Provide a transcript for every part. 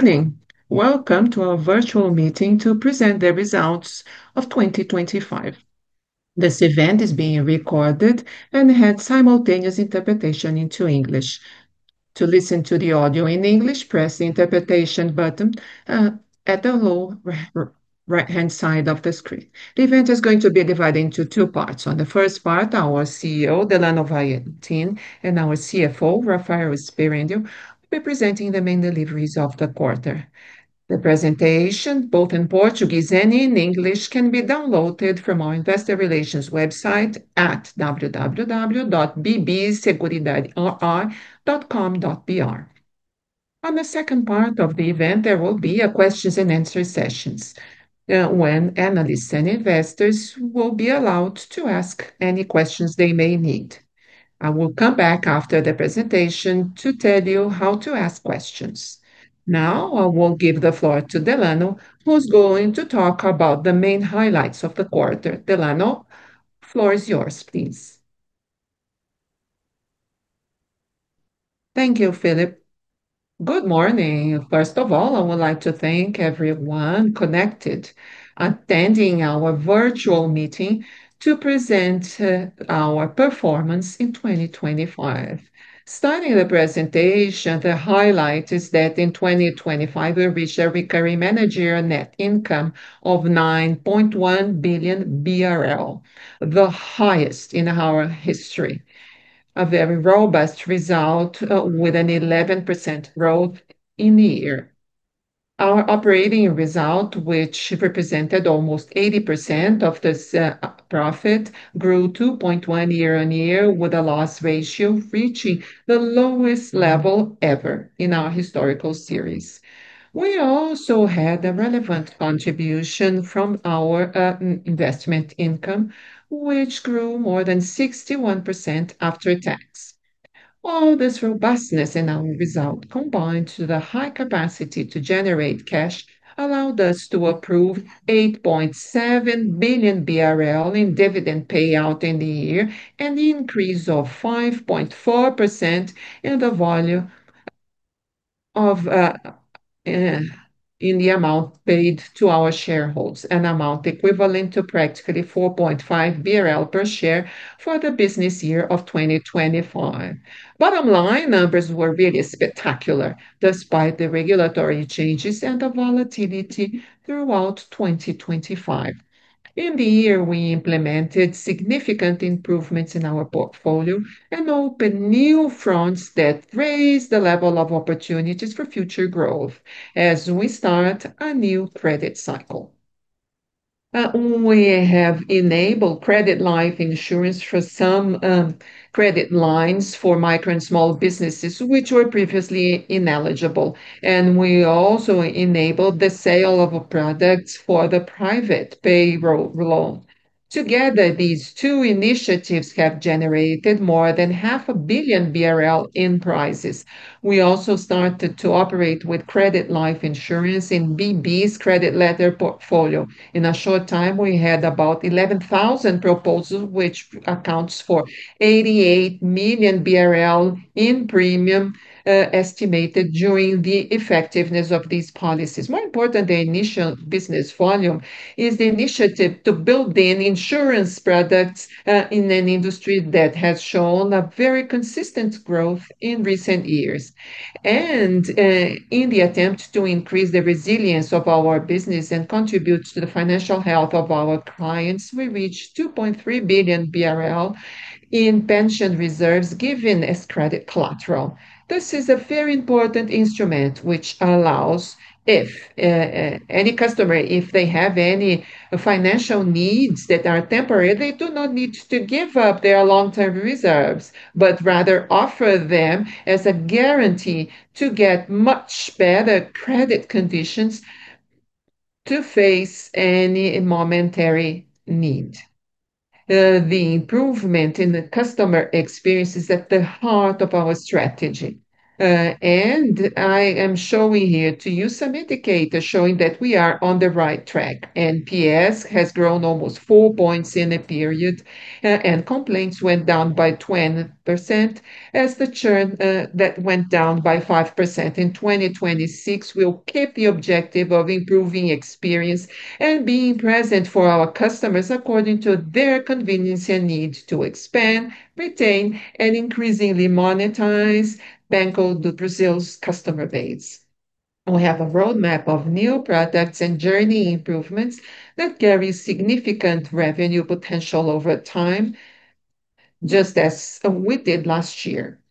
Good morning. Welcome to our virtual meeting to present the results of 2025. This event is being recorded and had simultaneous interpretation into English. To listen to the audio in English, press the Interpretation button at the lower right-hand side of the screen. The event is going to be divided into two parts. On the first part, our CEO, Delano Valentim de Oliveira, and our CFO, Rafael Sperendio, will be presenting the main deliveries of the quarter. The presentation, both in Portuguese and in English, can be downloaded from our Investor Relations website at www.bbseguridade.com.br. On the second part of the event, there will be a questions and answer sessions when analysts and investors will be allowed to ask any questions they may need. I will come back after the presentation to tell you how to ask questions. Now, I will give the floor to Delano, who's going to talk about the main highlights of the quarter. Delano, floor is yours, please. Thank you, Felipe. Good morning. First of all, I would like to thank everyone connected, attending our virtual meeting to present our performance in 2025. Starting the presentation, the highlight is that in 2025, we reached a recurring managerial net income of 9.1 billion BRL, the highest in our history. A very robust result with an 11% growth in the year. Our operating result, which represented almost 80% of this profit, grew 2.1 year-on-year, with a loss ratio reaching the lowest level ever in our historical series. We also had a relevant contribution from our investment income, which grew more than 61% after tax. All this robustness in our result, combined to the high capacity to generate cash, allowed us to approve 8.7 billion BRL in dividend payout in the year, and an increase of 5.4% in the amount paid to our shareholders, an amount equivalent to practically 4.5 BRL per share for the business year of 2025. Bottom line, numbers were really spectacular, despite the regulatory changes and the volatility throughout 2025. In the year, we implemented significant improvements in our portfolio and opened new fronts that raised the level of opportunities for future growth as we start a new credit cycle. We have enabled credit life insurance for some credit lines for micro and small businesses, which were previously ineligible, and we also enabled the sale of a product for the private payroll loan. Together, these two initiatives have generated more than 500 million BRL in prices. We also started to operate with credit life insurance in BB's credit ledger portfolio. In a short time, we had about 11,000 proposals, which accounts for 88 million BRL in premium estimated during the effectiveness of these policies. More important, the initial business volume is the initiative to build the insurance products in an industry that has shown a very consistent growth in recent years. And, in the attempt to increase the resilience of our business and contribute to the financial health of our clients, we reached 2.3 billion BRL in pension reserves given as credit collateral. This is a very important instrument, which allows if any customer, if they have any financial needs that are temporary, they do not need to give up their long-term reserves, but rather offer them as a guarantee to get much better credit conditions to face any momentary need. The improvement in the customer experience is at the heart of our strategy. And I am showing here to you some indicators showing that we are on the right track. NPS has grown almost 4 points in the period, and complaints went down by 20%, as the churn that went down by 5%. In 2026, we'll keep the objective of improving experience and being present for our customers according to their convenience and need to expand, retain, and increasingly monetize Banco do Brasil's customer base. We have a roadmap of new products and journey improvements that carry significant revenue potential over time, just as we did last year.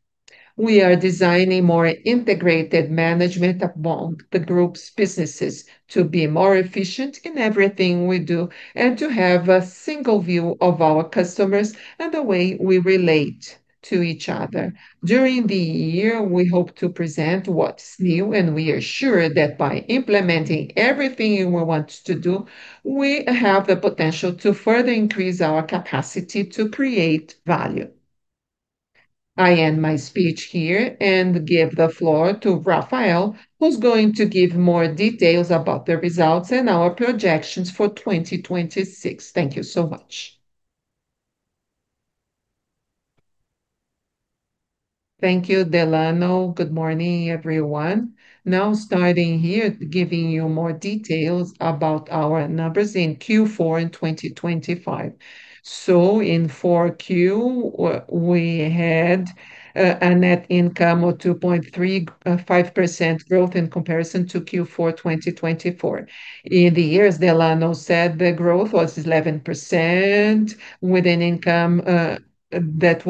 We are designing more integrated management among the group's businesses to be more efficient in everything we do and to have a single view of our customers and the way we relate to each other. During the year, we hope to present what's new, and we are sure that by implementing everything we want to do, we have the potential to further increase our capacity to create value. I end my speech here and give the floor to Rafael, who's going to give more details about the results and our projections for 2026. Thank you so much. Thank you, Delano. Good morning, everyone. Now, starting here, giving you more details about our numbers in Q4 in 2025. So in Q4, we had a net income of 2.35% growth in comparison to Q4 2024. In the years, Delano said the growth was 11%, with an income that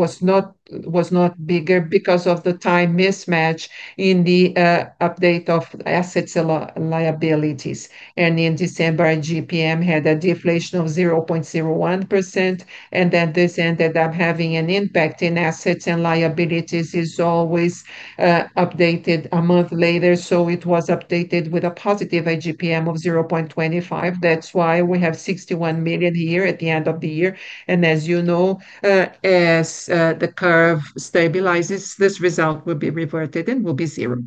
was not bigger because of the time mismatch in the update of assets and liabilities. And in December, IGPM had a deflation of 0.01%, and then this ended up having an impact in assets and liabilities is always updated a month later, so it was updated with a positive IGP-M of 0.25. That's why we have 61 million here at the end of the year. And as you know, as the curve stabilizes, this result will be reverted and will be zero.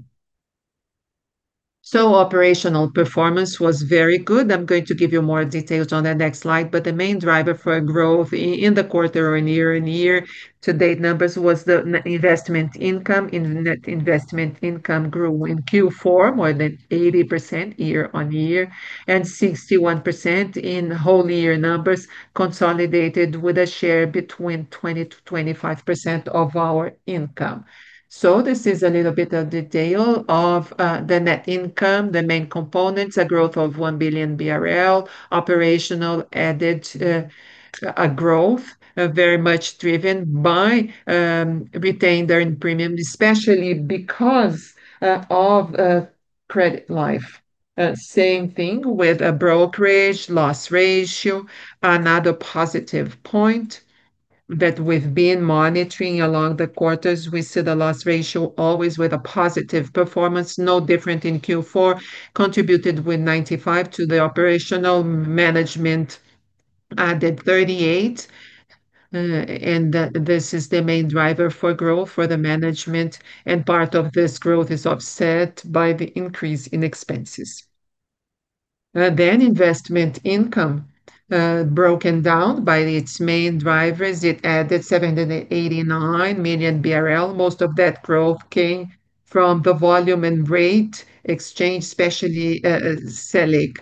So operational performance was very good. I'm going to give you more details on the next slide, but the main driver for growth in the quarter and year, and year-to-date numbers was the investment income. Net investment income grew in Q4, more than 80% year-on-year, and 61% in whole year numbers, consolidated with a share between 20% to 25% of our income. So this is a little bit of detail of the net income, the main components, a growth of 1 billion BRL. Operational added a growth very much driven by retained earned premium, especially because of credit life. Same thing with a brokerage loss ratio. Another positive point that we've been monitoring along the quarters, we see the loss ratio always with a positive performance, no different in Q4, contributed with 95 to the operational management, added 38, and this is the main driver for growth for the management, and part of this growth is offset by the increase in expenses. Then investment income, broken down by its main drivers, it added 789 million BRL. Most of that growth came from the volume and rate exchange, especially, Selic.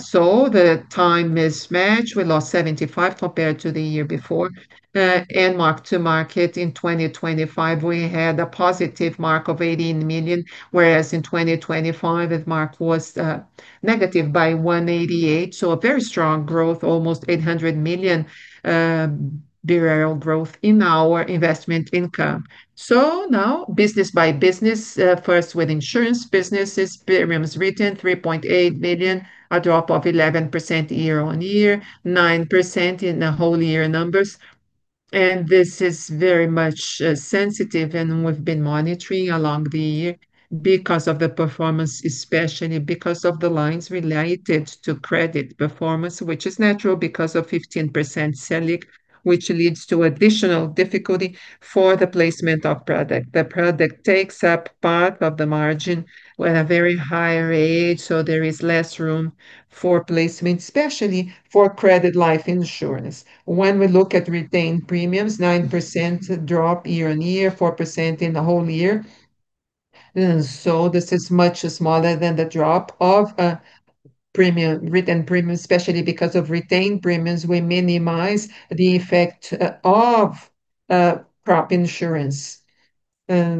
So the time mismatch, we lost 75 compared to the year before, and mark-to-market in 2025, we had a positive mark of 18 million, whereas in 2025, that mark was, negative by 188 million. So a very strong growth, almost 800 million, BRL growth in our investment income. So now, business by business. First, with insurance business, it's premiums written, 3.8 million, a drop of 11% year-over-year, 9% in the whole-year numbers. And this is very much sensitive, and we've been monitoring along the year because of the performance, especially because of the lines related to credit performance, which is natural because of 15% Selic, which leads to additional difficulty for the placement of product. The product takes up part of the margin with a very high rate, so there is less room for placement, especially for credit life insurance. When we look at retained premiums, 9% drop year-over-year, 4% in the whole year. So this is much smaller than the drop of premium, retained premium, especially because of retained premiums, we minimize the effect of crop insurance.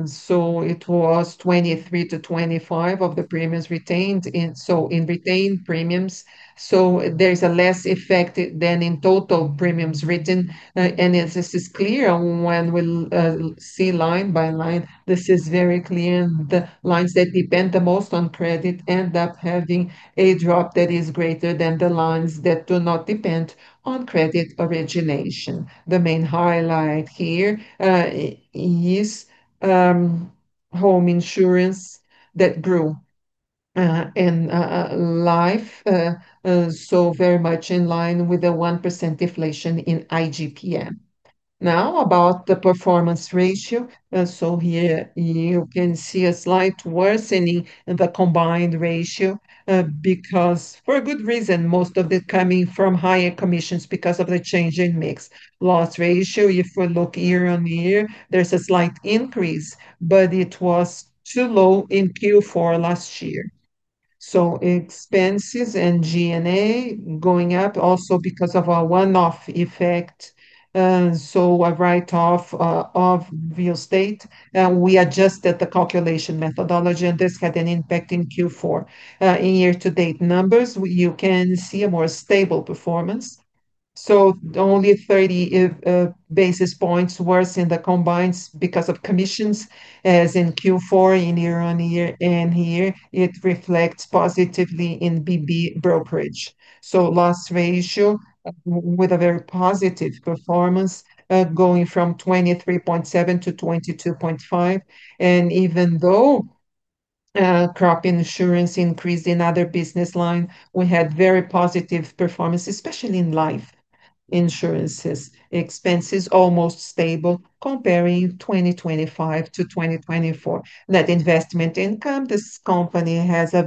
So it was 23-25 of the premiums retained in... so in retained premiums, so there's a less effect than in total premiums written. And this is clear when we see line by line. This is very clear. The lines that depend the most on credit end up having a drop that is greater than the lines that do not depend on credit origination. The main highlight here is home insurance that grew and life, so very much in line with the 1% deflation in IGP-M. Now, about the performance ratio. So here you can see a slight worsening in the combined ratio because for a good reason, most of it coming from higher commissions because of the change in mix loss ratio. If we look year-on-year, there's a slight increase, but it was too low in Q4 last year. So expenses and G&A going up also because of a one-off effect, so a write-off of cosseguro. We adjusted the calculation methodology, and this had an impact in Q4. In year-to-date numbers, you can see a more stable performance, so only 30 basis points worse in the combined ratio because of commissions, as in Q4 year-on-year, and here it reflects positively in BB Brokerage. So loss ratio with a very positive performance, going from 23.7 to 22.5, and even though crop insurance increased in other business line, we had very positive performance, especially in life insurances. Expenses almost stable, comparing 2025 to 2024. Net investment income, this company has a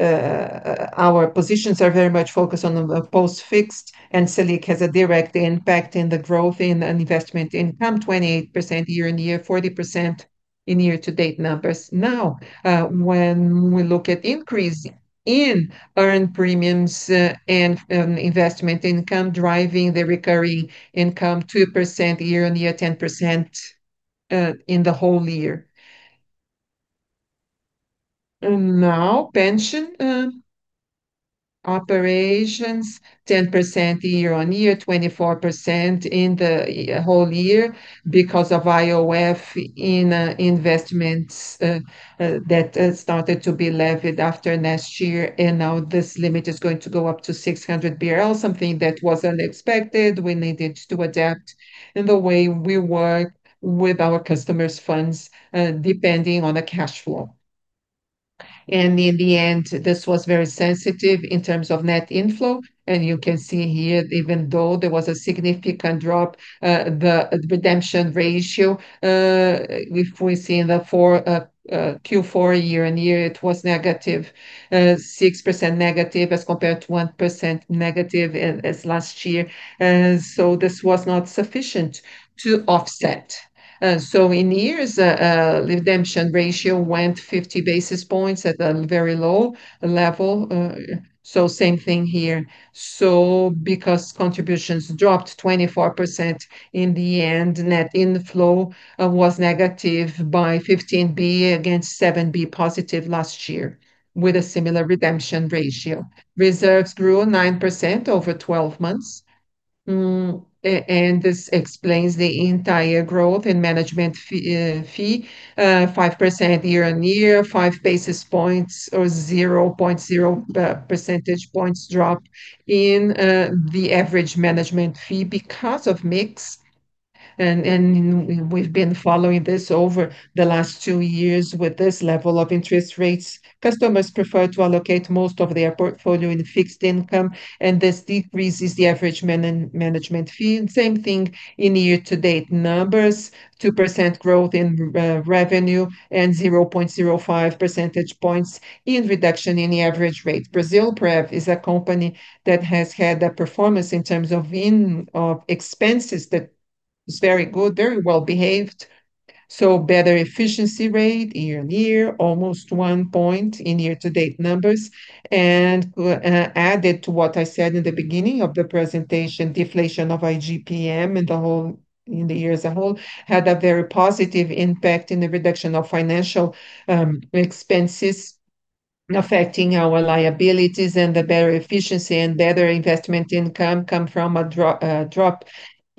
very—our positions are very much focused on the post-fixed, and Selic has a direct impact in the growth in investment income, 28% year-on-year, 40% in year-to-date numbers. Now, when we look at increase in earned premiums and investment income driving the recurring income 2% year-on-year, 10% in the whole year. Now pension operations, 10% year-on-year, 24% in the whole year because of IOF in investments that started to be levied after last year, and now this limit is going to go up to 600 BRL, something that was unexpected. We needed to adapt in the way we work with our customers' funds depending on the cash flow. In the end, this was very sensitive in terms of net inflow, and you can see here, even though there was a significant drop, the redemption ratio, we've seen that for Q4 year-on-year, it was negative 6% as compared to 1% negative last year. So this was not sufficient to offset. So in years, redemption ratio went 50 basis points at a very low level. So same thing here. So because contributions dropped 24%, in the end, net inflow was negative by 15 billion against 7 billion positive last year, with a similar redemption ratio. Reserves grew 9% over 12 months. And this explains the entire growth in management fee, 5% year-on-year, five basis points or 0.0 percentage points drop in the average management fee because of mix. And we've been following this over the last two years with this level of interest rates. Customers prefer to allocate most of their portfolio in fixed income, and this decreases the average management fee, and same thing in year-to-date numbers, 2% growth in revenue and 0.05 percentage points in reduction in the average rate. Brasilprev is a company that has had a performance in terms of expenses that is very good, very well-behaved, so better efficiency rate year-on-year, almost one point in year-to-date numbers. Added to what I said in the beginning of the presentation, deflation of IGP-M in the whole in the year as a whole had a very positive impact in the reduction of financial expenses affecting our liabilities and the better efficiency and better investment income come from a drop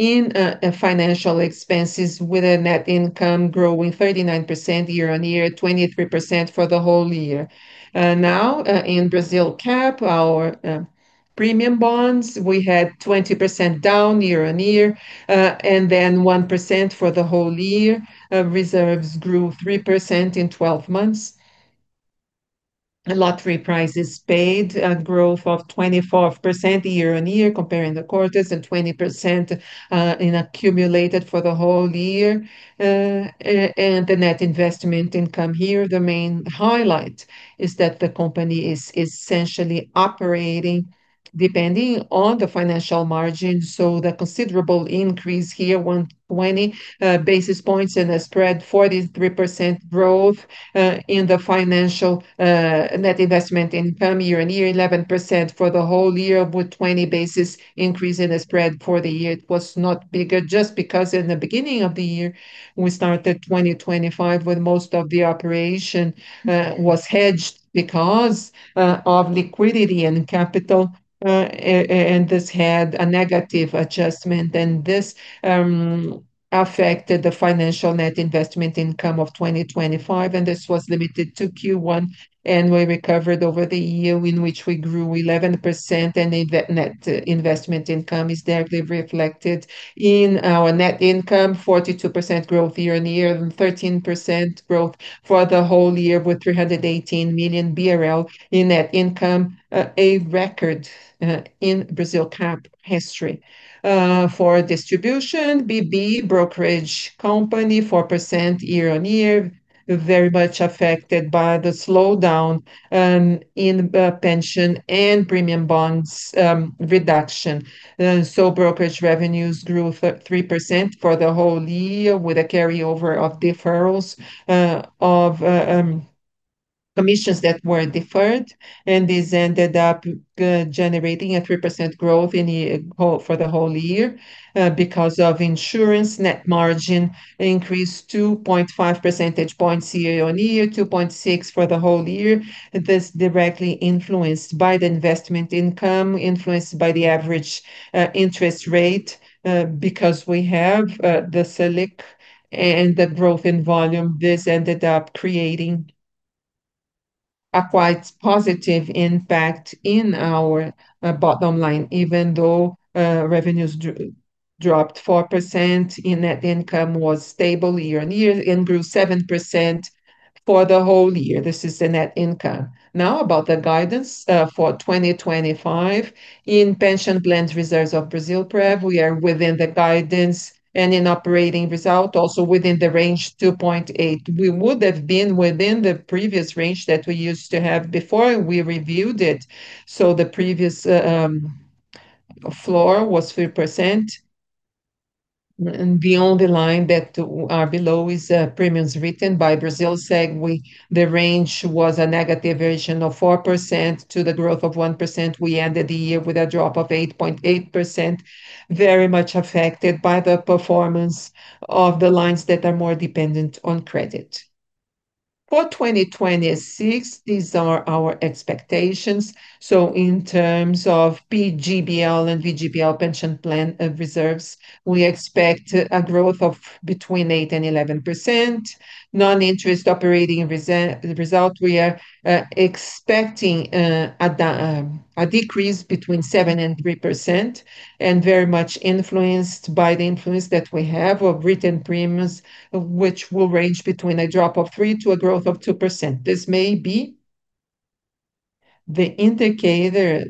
in financial expenses with a net income growing 39% year-on-year, 23% for the whole year. Now, in Brasilcap, our premium bonds, we had 20% down year-on-year, and then 1% for the whole year. Reserves grew 3% in twelve months. Lottery prizes paid a growth of 24% year-on-year, comparing the quarters, and 20% in accumulated for the whole year. And the net investment income here, the main highlight is that the company is essentially operating depending on the financial margin, so the considerable increase here, 120 basis points and a spread 43% growth in the financial net investment income year-on-year, 11% for the whole year, with 20 basis points increase in the spread for the year. It was not bigger just because in the beginning of the year, we started 2025, when most of the operation was hedged because of liquidity and capital, and this had a negative adjustment, and this affected the financial net investment income of 2025, and this was limited to Q1. We recovered over the year, in which we grew 11%, and the net investment income is directly reflected in our net income, 42% growth year-on-year, and 13% growth for the whole year, with 318 million BRL in net income, a record in Brasilcap history. For distribution, BB Brokerage, 4% year-on-year, very much affected by the slowdown in pension and premium bonds reduction. So brokerage revenues grew 3% for the whole year, with a carryover of deferrals of commissions that were deferred, and this ended up generating a 3% growth for the whole year. Because of insurance, net margin increased 2.5 percentage points year-on-year, 2.6 for the whole year. This directly influenced by the investment income, influenced by the average, interest rate, because we have, the Selic and the growth in volume. This ended up creating a quite positive impact in our, bottom line, even though, revenues dropped 4% and net income was stable year-on-year and grew 7% for the whole year. This is the net income. Now, about the guidance for 2025. In pension plan reserves of Brasilprev, we are within the guidance and in operating result, also within the range 2.8. We would have been within the previous range that we used to have before we reviewed it. So the previous... The floor was 3%, and beyond the line that are below is premiums written by Brazil Seg, the range was a negative version of 4% to the growth of 1%. We ended the year with a drop of 8.8%, very much affected by the performance of the lines that are more dependent on credit. For 2026, these are our expectations. So in terms of PGBL and VGBL pension plan reserves, we expect a growth of between 8% and 11%. Non-interest operating result, we are expecting a decrease between 7% and 3%, and very much influenced by the influence that we have of written premiums, which will range between a drop of 3% to a growth of 2%. This may be the indicator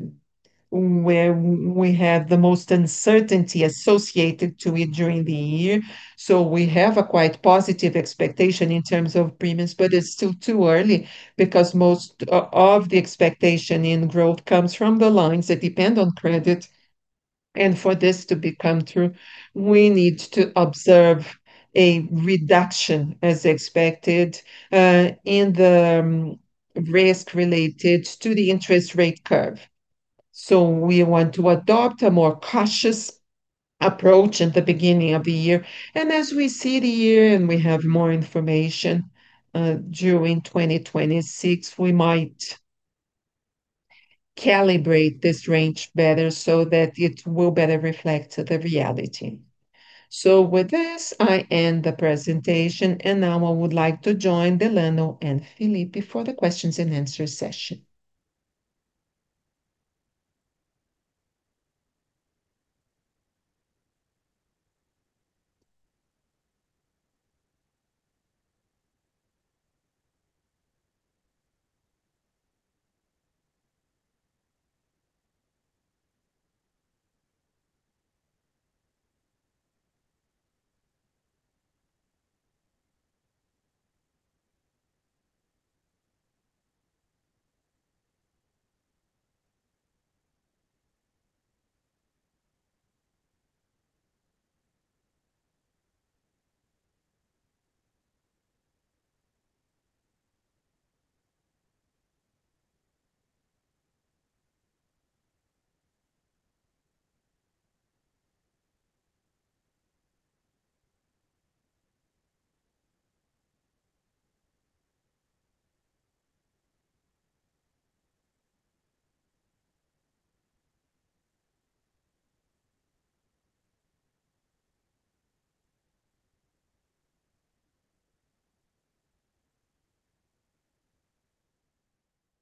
where we have the most uncertainty associated to it during the year, so we have a quite positive expectation in terms of premiums, but it's still too early, because most of the expectation in growth comes from the lines that depend on credit, and for this to become true, we need to observe a reduction as expected, in the risk related to the interest rate curve. So we want to adopt a more cautious approach at the beginning of the year, and as we see the year and we have more information, during 2026, we might calibrate this range better, so that it will better reflect the reality. So with this, I end the presentation, and now I would like to join Delano and Felipe for the questions and answer session.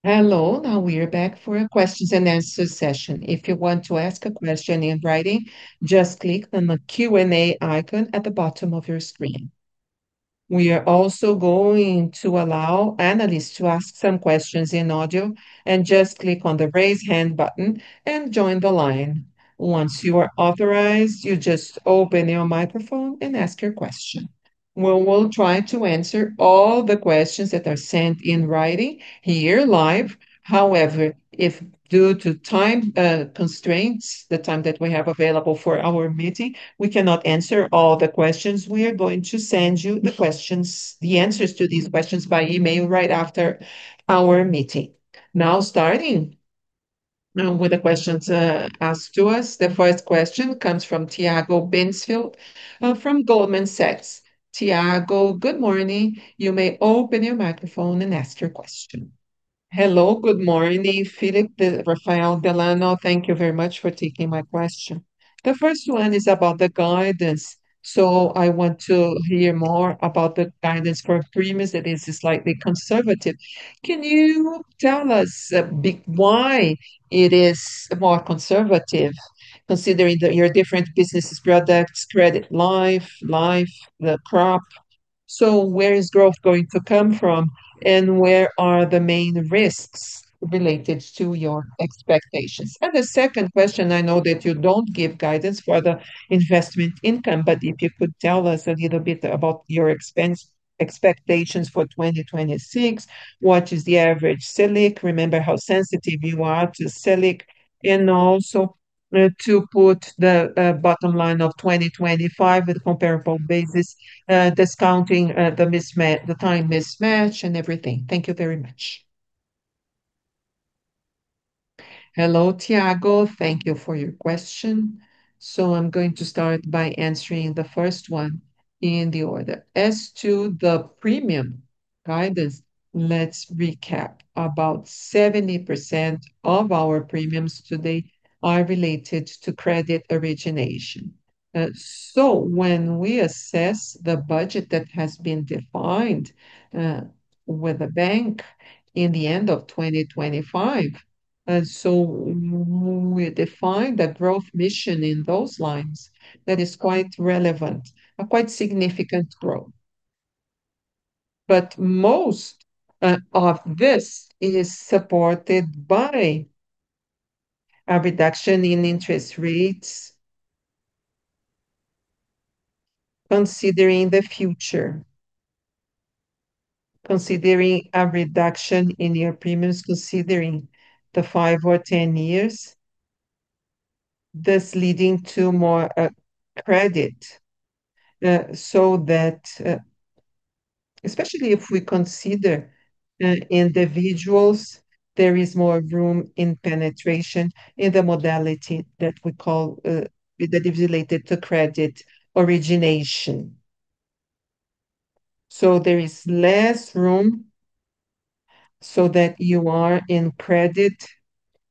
Hello, now we are back for a question and answer session. If you want to ask a question in writing, just click on the Q&A icon at the bottom of your screen. We are also going to allow analysts to ask some questions in audio, and just click on the Raise Hand button and join the line. Once you are authorized, you just open your microphone and ask your question. We will try to answer all the questions that are sent in writing here live. However, if due to time constraints, the time that we have available for our meeting, we cannot answer all the questions, we are going to send you the answers to these questions by email right after our meeting. Now, starting with the questions asked to us, the first question comes from Tiago Binsfeld from Goldman Sachs. Tiago, good morning. You may open your microphone and ask your question. Hello, good morning, Felipe, Rafael, Delano. Thank you very much for taking my question. The first one is about the guidance, so I want to hear more about the guidance for premiums that is slightly conservative. Can you tell us why it is more conservative, considering that your different businesses products, credit, life, life, the crop? So where is growth going to come from, and where are the main risks related to your expectations? And the second question, I know that you don't give guidance for the investment income, but if you could tell us a little bit about your expense expectations for 2026, what is the average Selic? Remember how sensitive you are to Selic, and also to put the bottom line of 2025 with comparable basis, discounting the time mismatch and everything. Thank you very much. Hello, Tiago. Thank you for your question. So I'm going to start by answering the first one in the order. As to the premium guidance, let's recap. About 70% of our premiums today are related to credit origination. So when we assess the budget that has been defined with the bank in the end of 2025, and so we define the growth mission in those lines, that is quite relevant, a quite significant growth. But most of this is supported by a reduction in interest rates-... Considering the future, considering a reduction in your premiums, considering the 5 or 10 years, this leading to more credit, so that, especially if we consider individuals, there is more room in penetration in the modality that we call that is related to credit origination. So there is less room so that you are in credit,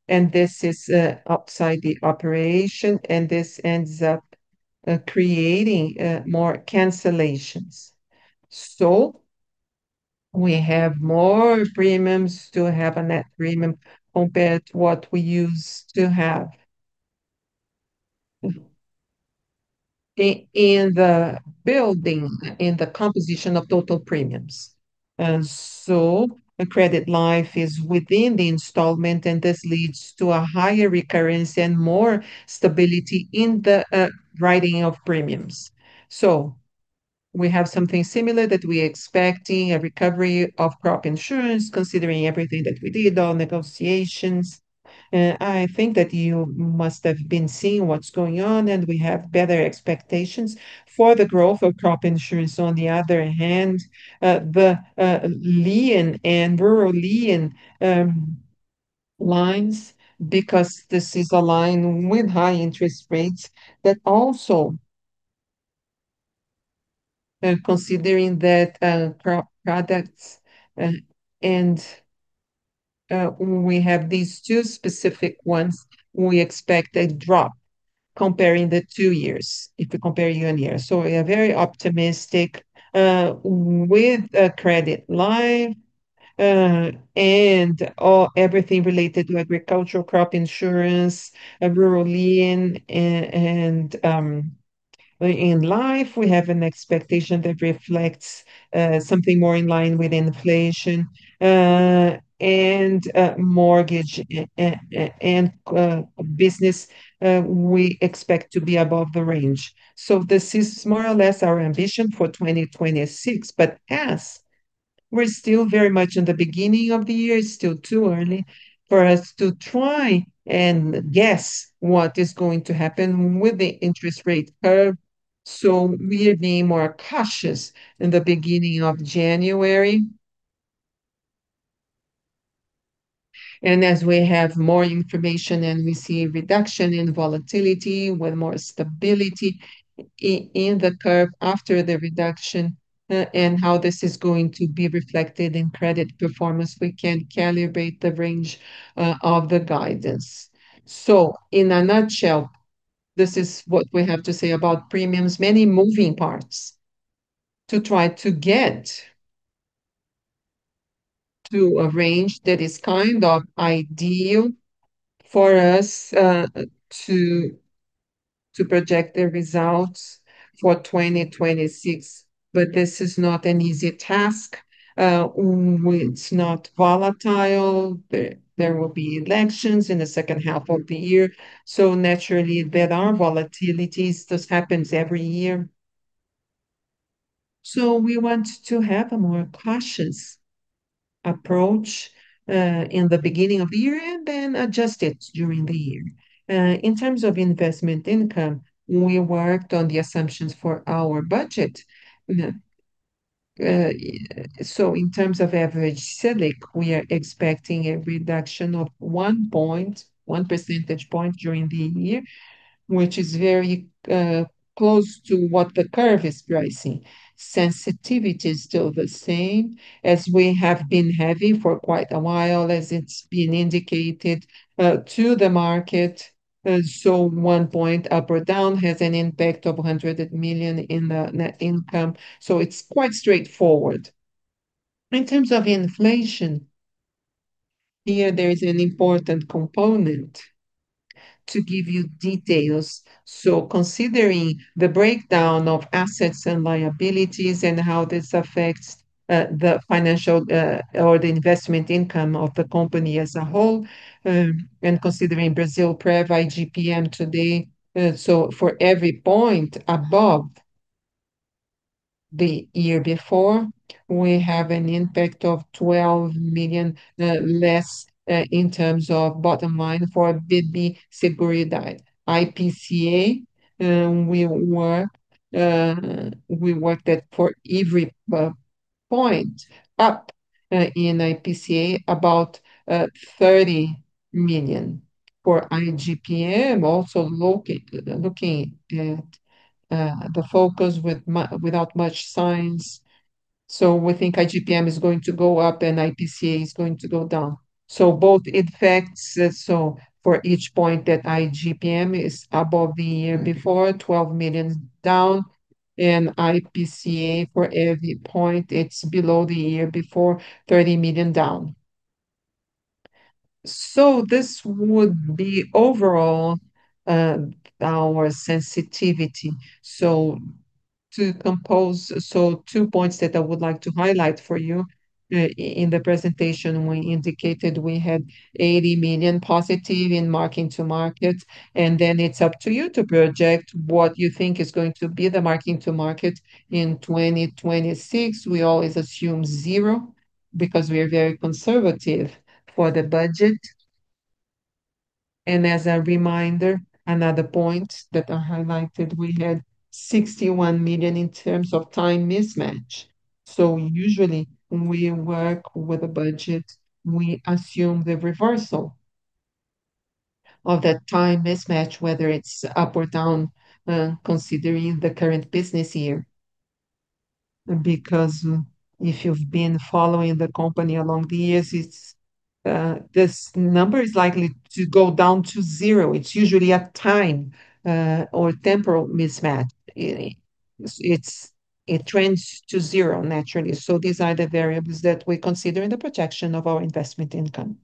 and this is outside the operation, and this ends up creating more cancellations. So we have more premiums to have a net premium compared to what we used to have. In the building, in the composition of total premiums. And so the credit life is within the installment, and this leads to a higher recurrence and more stability in the writing of premiums. So we have something similar that we're expecting, a recovery of crop insurance, considering everything that we did, all negotiations. I think that you must have been seeing what's going on, and we have better expectations for the growth of crop insurance. On the other hand, the lien and rural lien lines, because this is a line with high interest rates, that also considering that, crop products, and we have these two specific ones, we expect a drop comparing the two years, if we compare year-over-year. So we are very optimistic with credit life and everything related to agricultural crop insurance and rural lien, and in life, we have an expectation that reflects something more in line with inflation, and mortgage and business, we expect to be above the range. So this is more or less our ambition for 2026. But as we're still very much in the beginning of the year, it's still too early for us to try and guess what is going to happen with the interest rate curve, so we are being more cautious in the beginning of January. And as we have more information, and we see a reduction in volatility, with more stability in the curve after the reduction, and how this is going to be reflected in credit performance, we can calibrate the range of the guidance. So in a nutshell, this is what we have to say about premiums. Many moving parts to try to get to a range that is kind of ideal for us to project the results for 2026, but this is not an easy task. It's not volatile. There, there will be elections in the second half of the year, so naturally there are volatilities. This happens every year. So we want to have a more cautious approach, in the beginning of the year, and then adjust it during the year. In terms of investment income, we worked on the assumptions for our budget. So in terms of average Selic, we are expecting a reduction of 1 percentage point during the year, which is very, close to what the curve is pricing. Sensitivity is still the same, as we have been having for quite a while, as it's been indicated, to the market, so 1 percentage point up or down has an impact of 100 million in the net income, so it's quite straightforward. In terms of inflation, here there is an important component to give you details. So considering the breakdown of assets and liabilities, and how this affects the financial or the investment income of the company as a whole, and considering Brasilprev-IGP-M today, so for every point above the year before, we have an impact of 12 million less in terms of bottom line for BB Seguridade. IPCA, we work for every point up in IPCA, about 30 million. For IGP-M, also looking at the focus without much signs, so we think IGP-M is going to go up, and IPCA is going to go down. So both effects, so for each point that IGP-M is above the year before, 12 million down, and IPCA, for every point it's below the year before, 30 million down. So this would be overall our sensitivity. Two points that I would like to highlight for you in the presentation, we indicated we had 80 million positive in marking to market, and then it's up to you to project what you think is going to be the marking to market in 2026. We always assume zero, because we are very conservative for the budget. And as a reminder, another point that I highlighted, we had 61 million in terms of time mismatch. So usually when we work with a budget, we assume the reversal of that time mismatch, whether it's up or down, considering the current business year. Because if you've been following the company along the years, it's this number is likely to go down to zero. It's usually a time or temporal mismatch, really. It trends to zero naturally. So these are the variables that we consider in the projection of our investment income.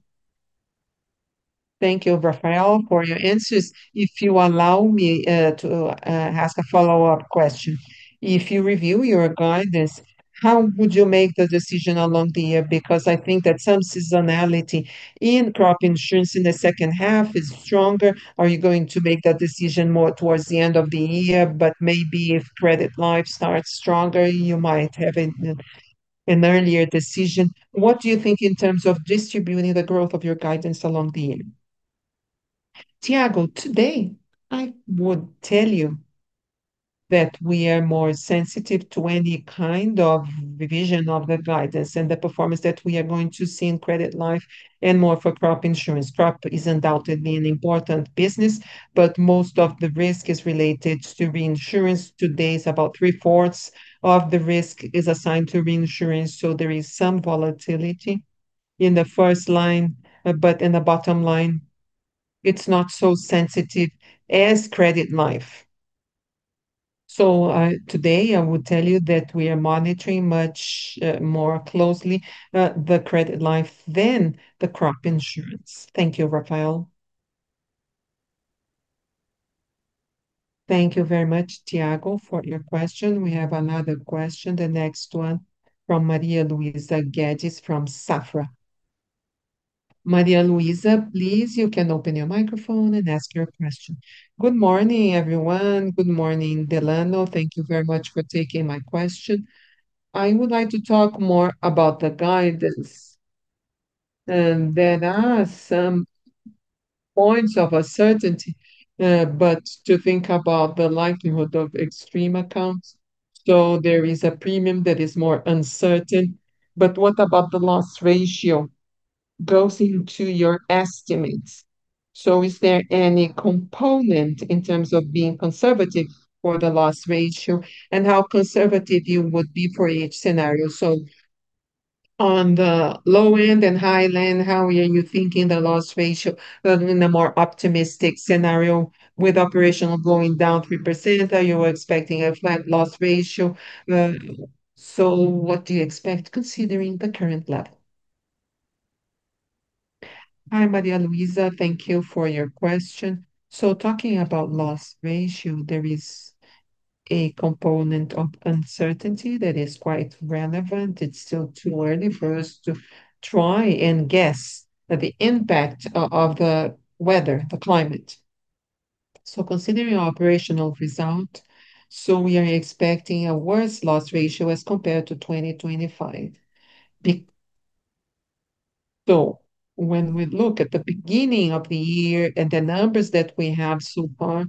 Thank you, Rafael, for your answers. If you allow me to ask a follow-up question. If you review your guidance, how would you make the decision along the year? Because I think that some seasonality in crop insurance in the second half is stronger. Are you going to make that decision more towards the end of the year? But maybe if Credit Life starts stronger, you might have an earlier decision. What do you think in terms of distributing the growth of your guidance along the year? Thiago, today, I would tell you that we are more sensitive to any kind of revision of the guidance and the performance that we are going to see in Credit Life, and more for crop insurance. Crop is undoubtedly an important business, but most of the risk is related to reinsurance. Today, it's about three-fourths of the risk is assigned to reinsurance, so there is some volatility in the first line. But in the bottom line, it's not so sensitive as Credit Life. So, today I would tell you that we are monitoring much more closely the Credit Life than the crop insurance. Thank you, Rafael. Thank you very much, Tiago, for your question. We have another question, the next one from Maria Luísa Guedes from Safra. Maria Luísa, please, you can open your microphone and ask your question. Good morning, everyone. Good morning, Delano. Thank you very much for taking my question. I would like to talk more about the guidance, and there are some points of uncertainty, but to think about the likelihood of extreme accounts, so there is a premium that is more uncertain. But what about the loss ratio goes into your estimates? So is there any component in terms of being conservative for the loss ratio, and how conservative you would be for each scenario? So on the low end and high end, how are you thinking the loss ratio, in a more optimistic scenario with operational going down 3%, are you expecting a flat loss ratio? So what do you expect, considering the current level? Hi, Maria Luísa, thank you for your question. So talking about loss ratio, there is a component of uncertainty that is quite relevant. It's still too early for us to try and guess at the impact of the weather, the climate. So considering operational result, so we are expecting a worse loss ratio as compared to 2025. So when we look at the beginning of the year and the numbers that we have so far,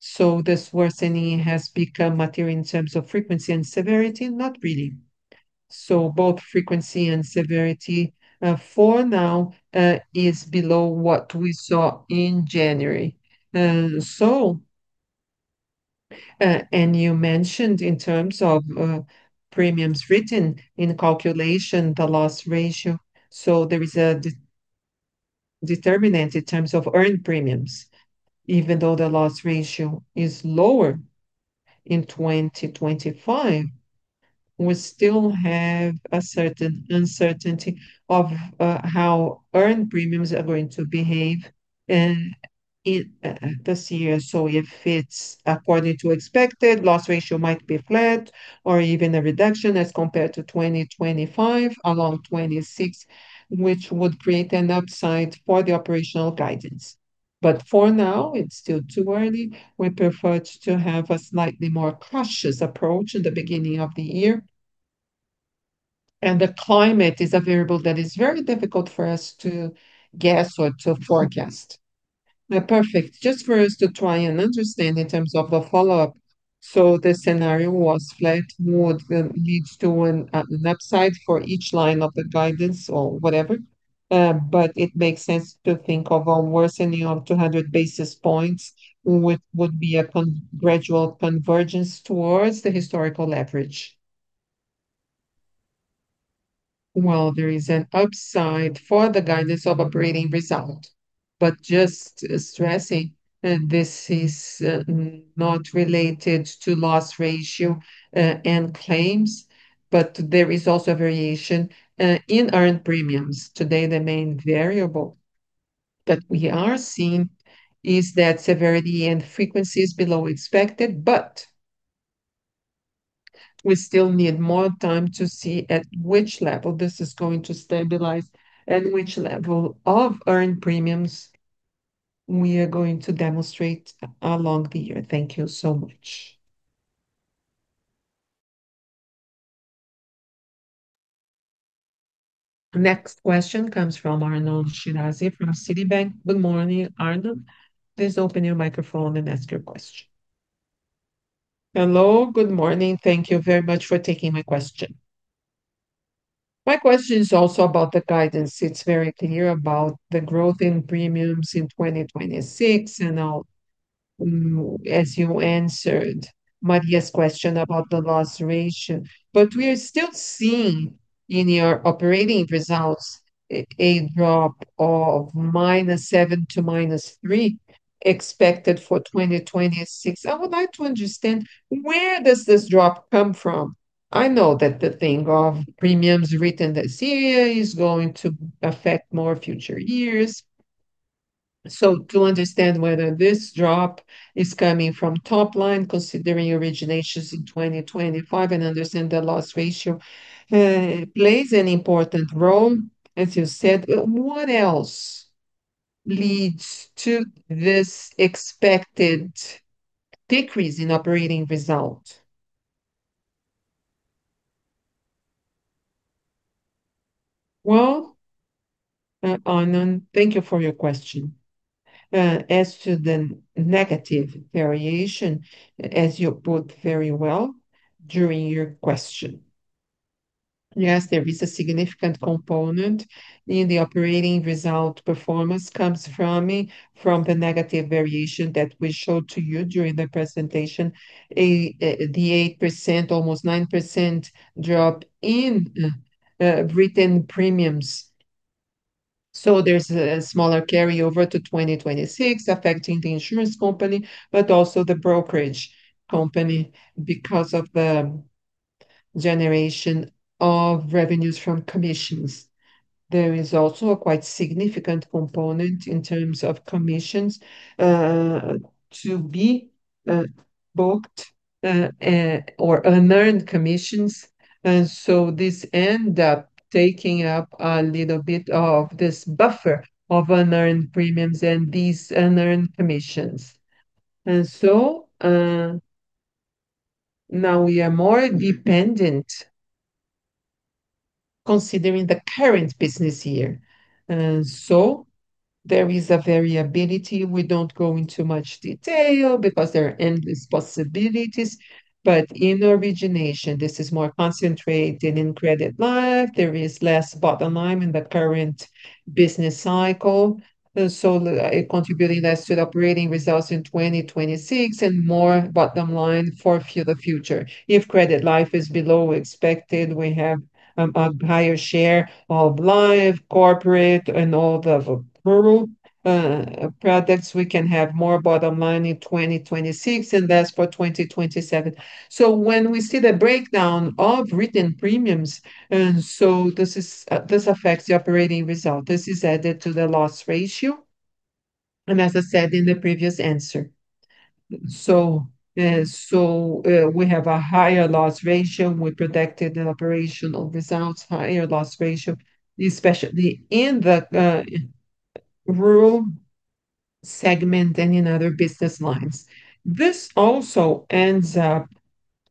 so this worsening has become material in terms of frequency and severity? Not really. So both frequency and severity, for now, is below what we saw in January. So, and you mentioned in terms of, premiums written in the calculation, the loss ratio, so there is a determinant in terms of earned premiums. Even though the loss ratio is lower in 2025, we still have a certain uncertainty of, how earned premiums are going to behave in, this year. So if it's according to expected, loss ratio might be flat or even a reduction as compared to 2025, along 2026, which would create an upside for the operational guidance. But for now, it's still too early. We prefer to have a slightly more cautious approach in the beginning of the year, and the climate is a variable that is very difficult for us to guess or to forecast. Perfect. Just for us to try and understand in terms of a follow-up, so the scenario was flat, would lead to an upside for each line of the guidance or whatever, but it makes sense to think of a worsening of 200 basis points, which would be a constant gradual convergence towards the historical average. Well, there is an upside for the guidance of operating result, but just stressing, this is not related to loss ratio and claims, but there is also a variation in earned premiums. Today, the main variable we are seeing is that severity and frequency is below expected, but we still need more time to see at which level this is going to stabilize, at which level of earned premiums we are going to demonstrate along the year. Thank you so much. Next question comes from Arnon Shirazi from Citibank. Good morning, Arnon. Please open your microphone and ask your question. Hello, good morning. Thank you very much for taking my question. My question is also about the guidance. It's very clear about the growth in premiums in 2026, and as you answered Maria's question about the loss ratio. But we are still seeing in your operating results a drop of -7 to -3 expected for 2026. I would like to understand, where does this drop come from? I know that the thing of premiums written this year is going to affect more future years. So to understand whether this drop is coming from top line, considering originations in 2025, and understand the loss ratio plays an important role, as you said. What else leads to this expected decrease in operating result? Well, Arnon, thank you for your question. As to the negative variation, as you put very well during your question, yes, there is a significant component in the operating result. Performance comes from me, from the negative variation that we showed to you during the presentation, the 8%, almost 9% drop in written premiums. There's a smaller carryover to 2026 affecting the insurance company, but also the brokerage company because of the generation of revenues from commissions. There is also a quite significant component in terms of commissions to be booked or unearned commissions, and so this end up taking up a little bit of this buffer of unearned premiums and these unearned commissions. And so now we are more dependent, considering the current business year. So there is a variability. We don't go into much detail because there are endless possibilities, but in origination, this is more concentrated in credit life. There is less bottom line in the current business cycle, so contributing less to the operating results in 2026, and more bottom line for the future. If credit life is below expected, we have a higher share of life, corporate, and all the rural products. We can have more bottom line in 2026, and that's for 2027. So when we see the breakdown of written premiums, and so this is. This affects the operating result. This is added to the loss ratio, and as I said in the previous answer. So, so, we have a higher loss ratio. We protected the operational results, higher loss ratio, especially in the rural segment than in other business lines. This also ends up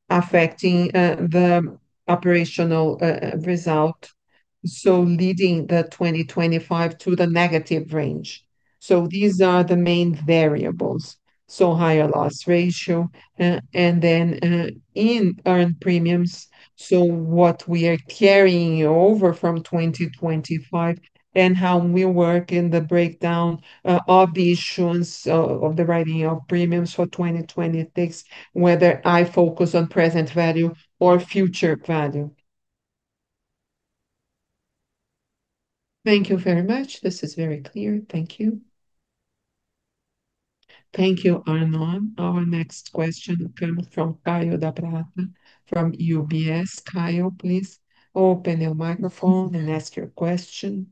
affecting the operational result, so leading the 2025 to the negative range. So these are the main variables, so higher loss ratio, and then, in earned premiums, so what we are carrying over from 2025, and how we work in the breakdown, of the issuance of the writing of premiums for 2026, whether I focus on present value or future value. Thank you very much. This is very clear. Thank you. Thank you, Arnon. Our next question comes from Kaio Prato from UBS. Kaio, please open your microphone and ask your question.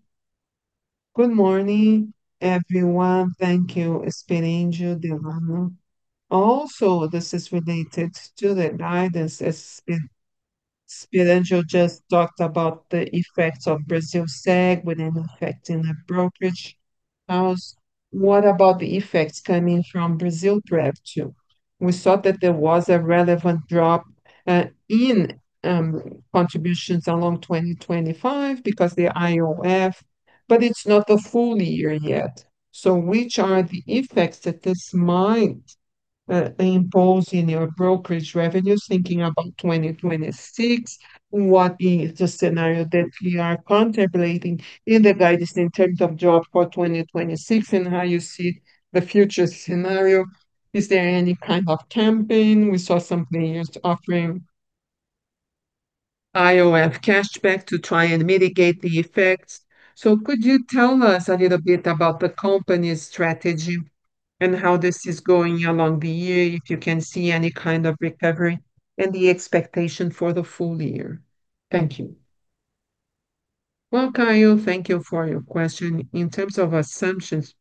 Good morning, everyone. Thank you, Sperendio Delano. Also, this is related to the guidance, as, Sperendio just talked about the effects of Brasilseg within affecting the brokerage house. What about the effects coming from Brazilprev, too? We saw that there was a relevant drop in contributions along 2025 because the IOF, but it's not a full year yet. So which are the effects that this might impose in your brokerage revenues, thinking about 2026? What is the scenario that we are contemplating in the context in terms of drop for 2026, and how you see the future scenario? Is there any kind of campaign? We saw some players offering IOF cashback to try and mitigate the effects. So could you tell us a little bit about the company's strategy and how this is going along the year, if you can see any kind of recovery, and the expectation for the full year? Thank you. Well, Kyle, thank you for your question. In terms of assumptions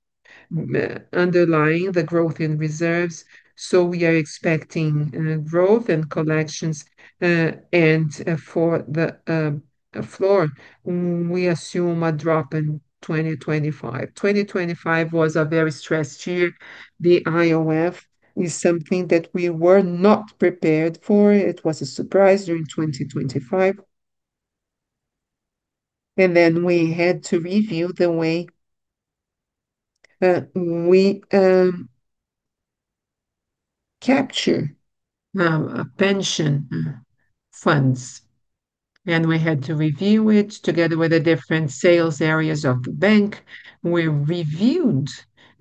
underlying the growth in reserves, so we are expecting growth and collections. We assume a drop in 2025. 2025 was a very stressed year. The IOF is something that we were not prepared for. It was a surprise during 2025, and then we had to review the way we capture pension funds, and we had to review it together with the different sales areas of the bank. We reviewed,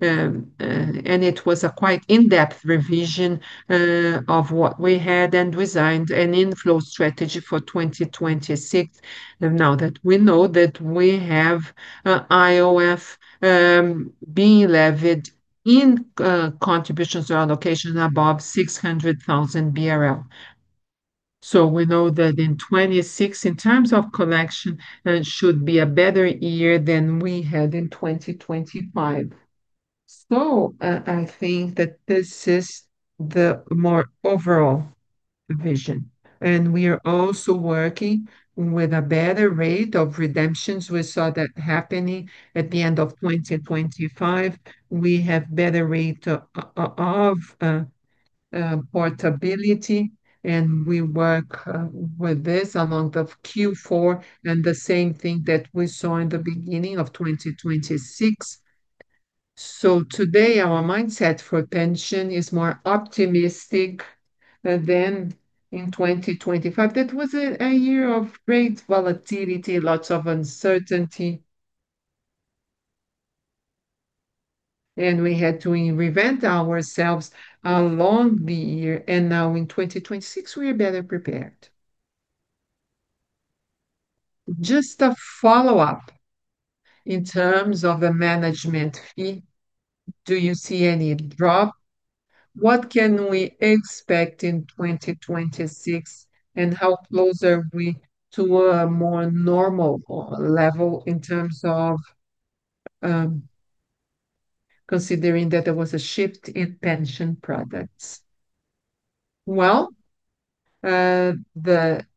and it was a quite in-depth revision of what we had, and designed an inflow strategy for 2026. Now that we know that we have IOF being levied in contributions or allocation above 600,000 BRL. So we know that in 2026, in terms of collection, it should be a better year than we had in 2025. So, I think that this is the more overall vision, and we are also working with a better rate of redemptions. We saw that happening at the end of 2025. We have better rate of portability, and we work with this amount of Q4, and the same thing that we saw in the beginning of 2026. So today, our mindset for pension is more optimistic than in 2025. That was a year of great volatility, lots of uncertainty, and we had to reinvent ourselves along the year, and now in 2026, we are better prepared. Just a follow-up, in terms of a management fee, do you see any drop? What can we expect in 2026, and how close are we to a more normal level in terms of considering that there was a shift in pension products? Well,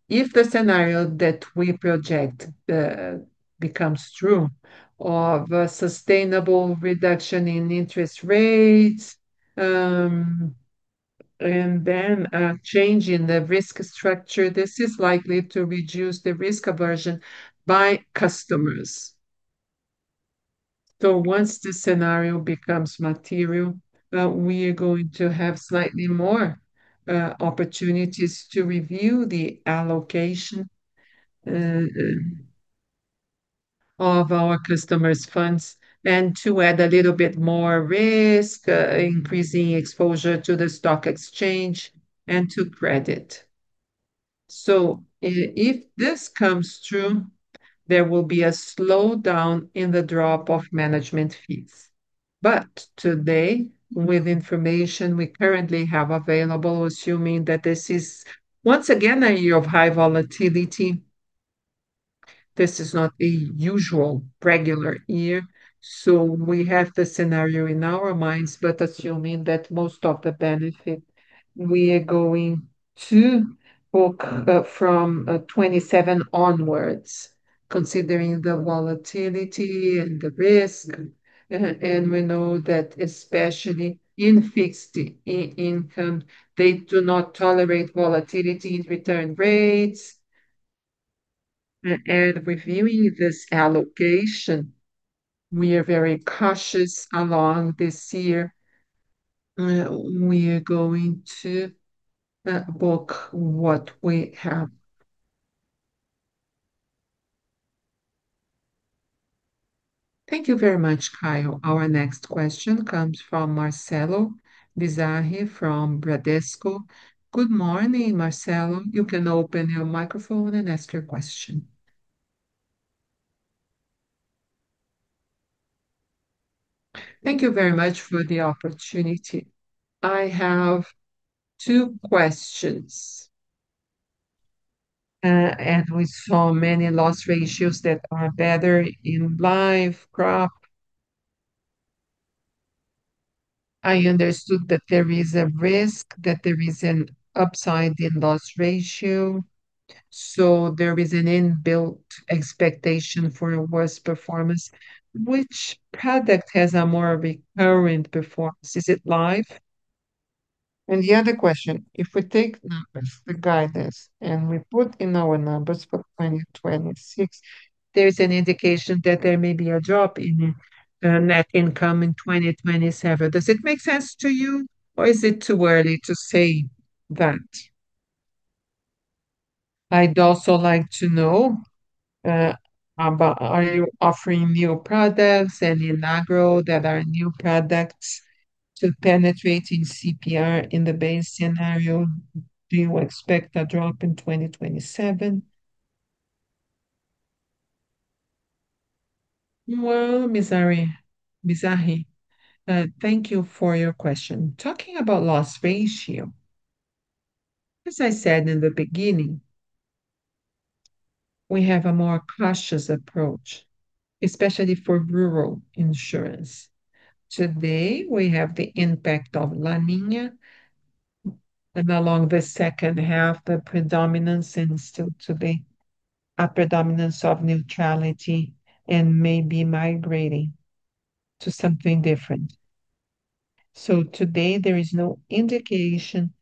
if the scenario that we project becomes true, of a sustainable reduction in interest rates and then a change in the risk structure, this is likely to reduce the risk aversion by customers. So once this scenario becomes material, we are going to have slightly more opportunities to review the allocation of our customers' funds, and to add a little bit more risk, increasing exposure to the stock exchange and to credit. So if this comes true, there will be a slowdown in the drop of management fees. But today, with information we currently have available, assuming that this is, once again, a year of high volatility, this is not a usual, regular year. So we have the scenario in our minds, but assuming that most of the benefit, we are going to book from '27 onwards, considering the volatility and the risk. And we know that especially in fixed income, they do not tolerate volatility in return rates. And reviewing this allocation, we are very cautious along this year. We are going to book what we have. Thank you very much, Kyle. Our next question comes from Marcelo Mizrahi from Bradesco. Good morning, Marcelo. You can open your microphone and ask your question. Thank you very much for the opportunity. I have two questions. And we saw many loss ratios that are better in life, crop. I understood that there is a risk, that there is an upside in loss ratio, so there is an inbuilt expectation for a worse performance. Which product has a more recurrent performance? Is it life? And the other question: If we take numbers, the guidance, and we put in our numbers for 2026, there is an indication that there may be a drop in net income in 2027. Does it make sense to you, or is it too early to say that? I'd also like to know about are you offering new products and in agro, that are new products to penetrating CPR in the base scenario? Do you expect a drop in 2027? Well, Marcelo Mizrahi, thank you for your question. Talking about loss ratio, as I said in the beginning, we have a more cautious approach, especially for rural insurance. Today, we have the impact of La Niña, and along the second half, the predominance and still today, a predominance of neutrality, and may be migrating to something different. So today there is no indication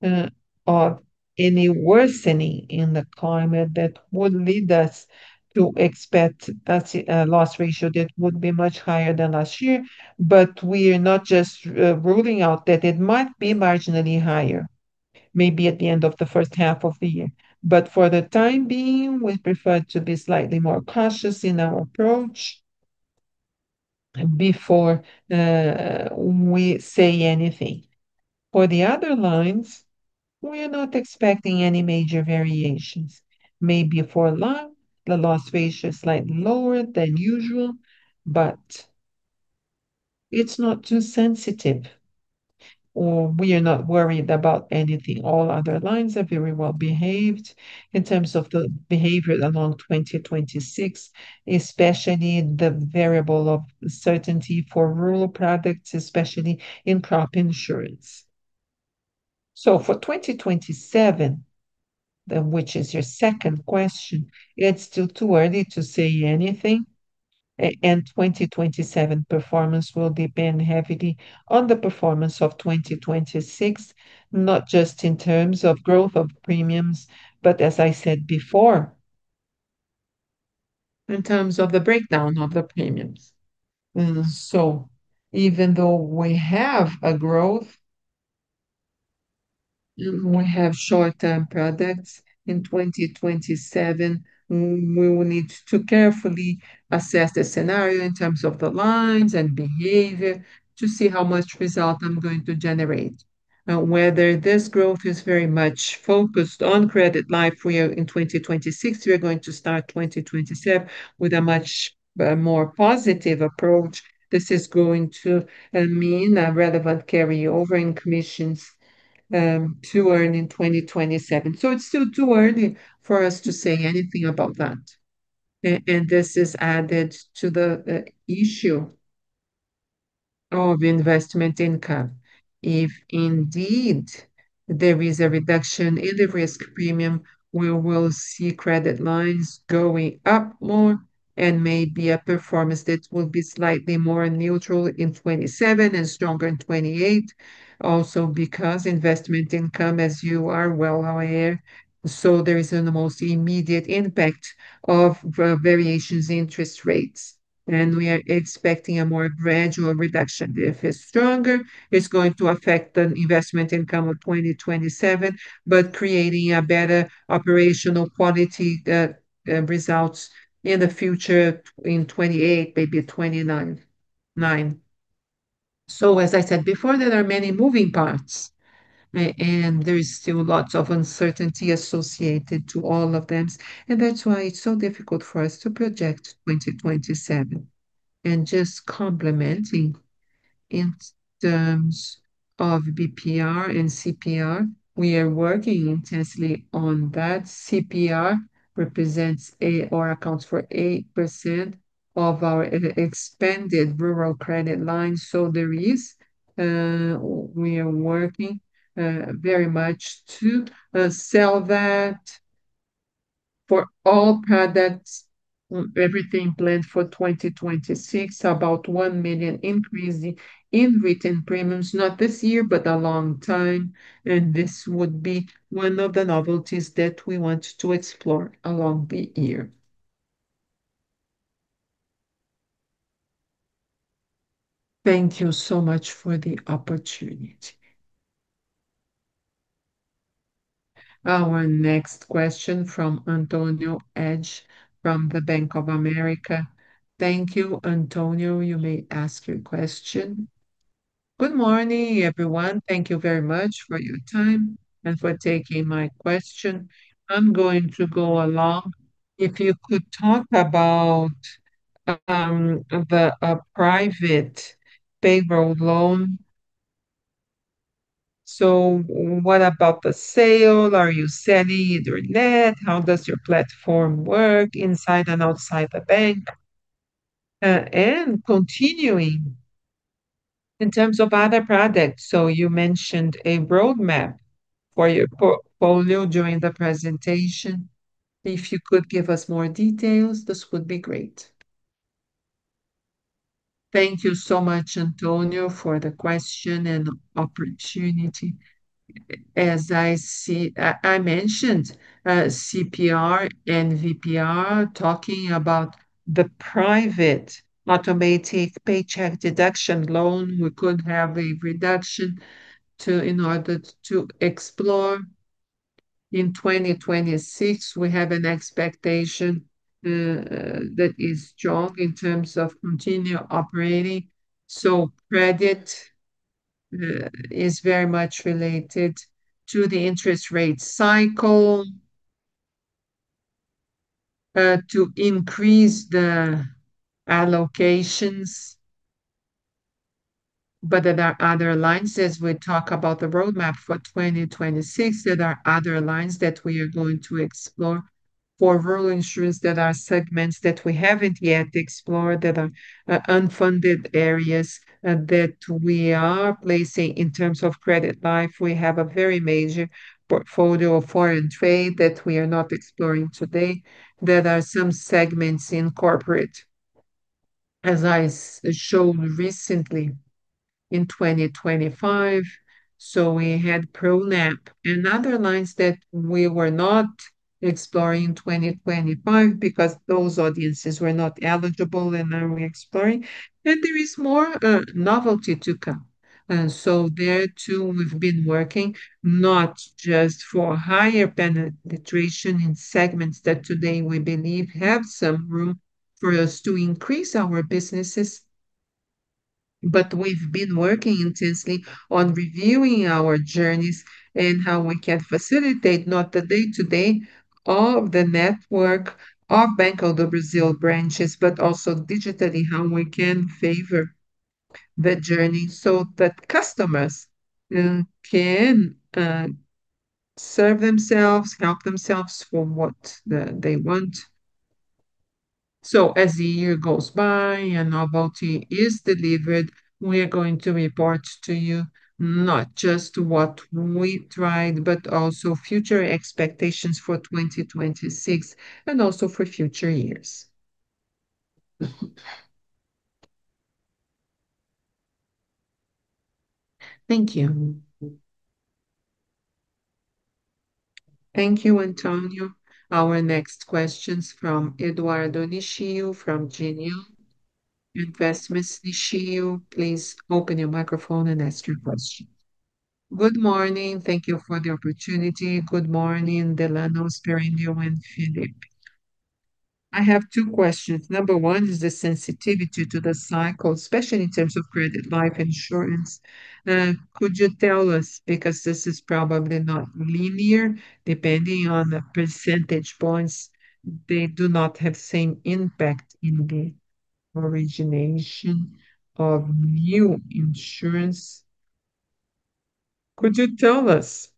of any worsening in the climate that would lead us to expect a loss ratio that would be much higher than last year, but we are not just ruling out that it might be marginally higher, maybe at the end of the first half of the year. But for the time being, we prefer to be slightly more cautious in our approach before we say anything. For the other lines, we are not expecting any major variations. Maybe for La, the loss ratio is slightly lower than usual, but it's not too sensitive, or we are not worried about anything. All other lines are very well-behaved in terms of the behavior along 2026, especially the variable of certainty for rural products, especially in crop insurance. So for 2027, then which is your second question, it's still too early to say anything, and 2027 performance will depend heavily on the performance of 2026, not just in terms of growth of premiums, but as I said before, in terms of the breakdown of the premiums. So even though we have a growth, and we have short-term products, in 2027, we will need to carefully assess the scenario in terms of the lines and behavior to see how much result I'm going to generate. Now, whether this growth is very much focused on credit life, we are in 2026, we are going to start 2027 with a much, more positive approach. This is going to mean a relevant carryover in commissions to earn in 2027. So it's still too early for us to say anything about that. And this is added to the issue of investment income. If indeed there is a reduction in the risk premium, we will see credit lines going up more, and maybe a performance that will be slightly more neutral in 2027 and stronger in 2028. Also, because investment income, as you are well aware, so there is an almost immediate impact of variations in interest rates, and we are expecting a more gradual reduction. If it's stronger, it's going to affect the investment income of 2027, but creating a better operational quality results in the future in 2028, maybe 2029. So as I said before, there are many moving parts, and there is still lots of uncertainty associated to all of them, and that's why it's so difficult for us to project 2027. Just complementing, in terms of CDCA and CPR, we are working intensely on that. CPR represents or accounts for 8% of our expanded rural credit line, so there is. We are working very much to sell that for all products. Everything planned for 2026, about a 1 million increase in written premiums, not this year, but a long time, and this would be one of the novelties that we want to explore along the year. Thank you so much for the opportunity. Our next question from Antonio Ruette from the Bank of America. Thank you, Antonio. You may ask your question. Good morning, everyone. Thank you very much for your time and for taking my question. I'm going to go along. If you could talk about the private payroll loan. So what about the sale? Are you selling either net? How does your platform work inside and outside the bank? And continuing, in terms of other products, so you mentioned a roadmap for your portfolio during the presentation. If you could give us more details, this would be great. Thank you so much, Antonio, for the question and opportunity. As I see, I mentioned CPR and VPR, talking about the private automatic paycheck deduction loan, we could have a reduction to, in order to explore. In 2026, we have an expectation that is strong in terms of continued operating, so credit is very much related to the interest rate cycle, to increase the allocations. But there are other lines, as we talk about the roadmap for 2026, there are other lines that we are going to explore for rural insurance that are segments that we haven't yet explored, that are unfunded areas that we are placing. In terms of credit life, we have a very major portfolio of foreign trade that we are not exploring today. There are some segments in corporate, as I showed recently in 2025, so we had Pronampe and other lines that we were not exploring in 2025 because those audiences were not eligible, and now we're exploring. And there is more novelty to come. So there, too, we've been working not just for higher penetration in segments that today we believe have some room for us to increase our businesses, but we've been working intensely on reviewing our journeys and how we can facilitate not the day-to-day of the network of Banco do Brasil branches, but also digitally, how we can favor the journey so that customers can serve themselves, help themselves for what they want. So as the year goes by and novelty is delivered, we are going to report to you not just what we tried, but also future expectations for 2026, and also for future years. Thank you. Thank you, Antonio. Our next question's from Eduardo Nishio, from Genial Investimentos. Nishio, please open your microphone and ask your question. Good morning. Thank you for the opportunity. Good morning, Delano, Sperendio, and Felipe. I have two questions. Number one is the sensitivity to the cycle, especially in terms of credit life insurance. Could you tell us, because this is probably not linear, depending on the percentage points, they do not have same impact in the origination of new insurance. Could you tell us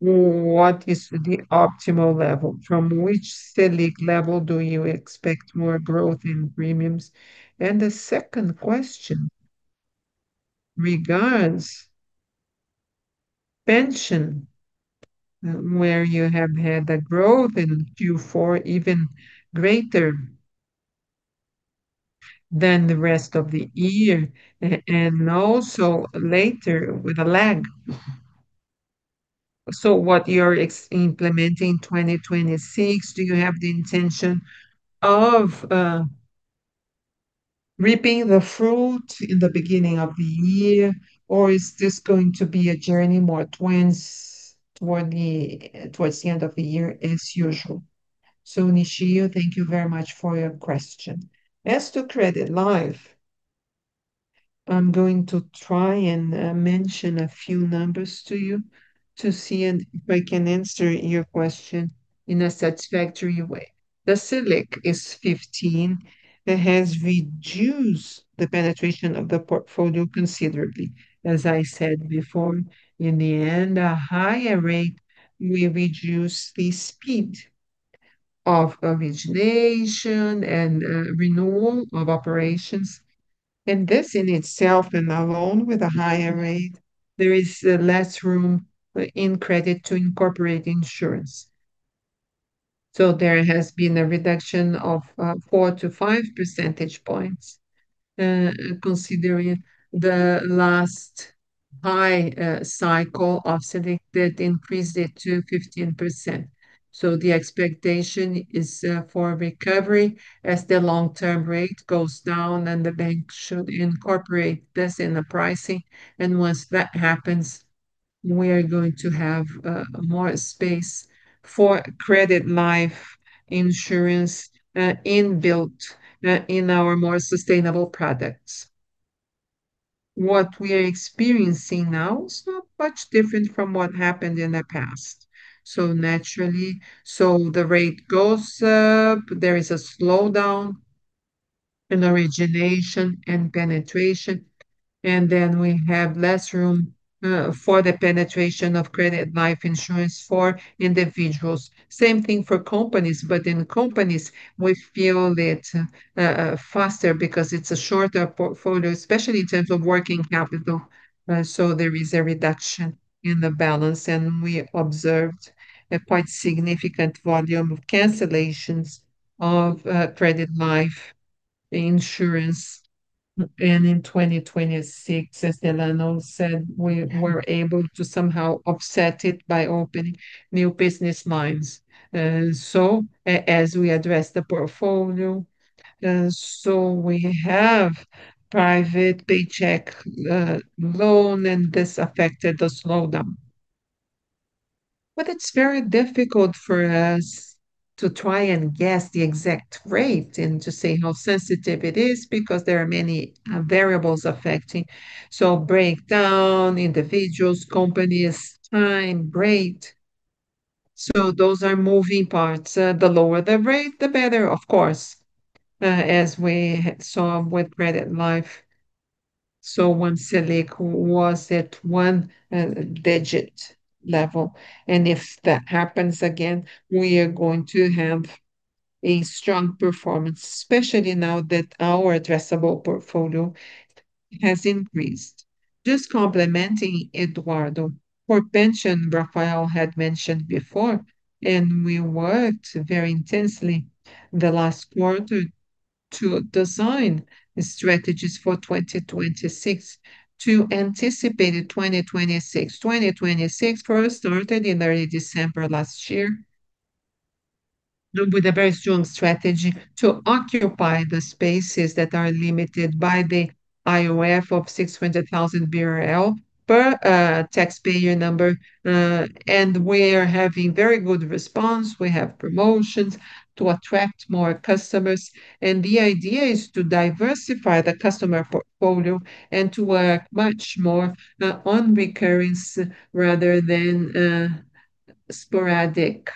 what is the optimal level? From which Selic level do you expect more growth in premiums? And the second question regards pension, where you have had a growth in Q4 even greater than the rest of the year, and also later with a lag. So what you're implementing in 2026, do you have the intention of reaping the fruit in the beginning of the year, or is this going to be a journey more towards the end of the year, as usual? So, Nishio, thank you very much for your question. As to credit life, I'm going to try and mention a few numbers to you to see if I can answer your question in a satisfactory way. The Selic is 15. It has reduced the penetration of the portfolio considerably. As I said before, in the end, a higher rate will reduce the speed of origination and renewal of operations, and this in itself, and alone with a higher rate, there is less room in credit to incorporate insurance. So there has been a reduction of 4-5 percentage points, considering the last high cycle of Selic that increased it to 15%. So the expectation is for recovery as the long-term rate goes down, and the bank should incorporate this in the pricing. Once that happens, we are going to have more space for credit life insurance in built in our more sustainable products. What we are experiencing now is not much different from what happened in the past. So naturally, so the rate goes up, there is a slowdown in origination and penetration, and then we have less room for the penetration of credit life insurance for individuals. Same thing for companies, but in companies, we feel it faster because it's a shorter portfolio, especially in terms of working capital. So there is a reduction in the balance, and we observed a quite significant volume of cancellations of credit life insurance. And in 2026, as Delano said, we were able to somehow offset it by opening new business lines. So, as we address the portfolio, so we have private payroll loan, and this affected the slowdown. But it's very difficult for us to try and guess the exact rate and to say how sensitive it is, because there are many variables affecting. So breakdown, individuals, companies, time, rate, so those are moving parts. The lower the rate, the better, of course, as we saw with Credit Life. So when Selic was at one-digit level, and if that happens again, we are going to have a strong performance, especially now that our addressable portfolio has increased. Just complimenting Eduardo, for pension, Rafael had mentioned before, and we worked very intensely the last quarter to design the strategies for 2026 to anticipate in 2026. 2026 for us started in early December last year, with a very strong strategy to occupy the spaces that are limited by the IOF of 600,000 BRL per taxpayer number. And we are having very good response. We have promotions to attract more customers, and the idea is to diversify the customer portfolio and to work much more on recurrence rather than sporadic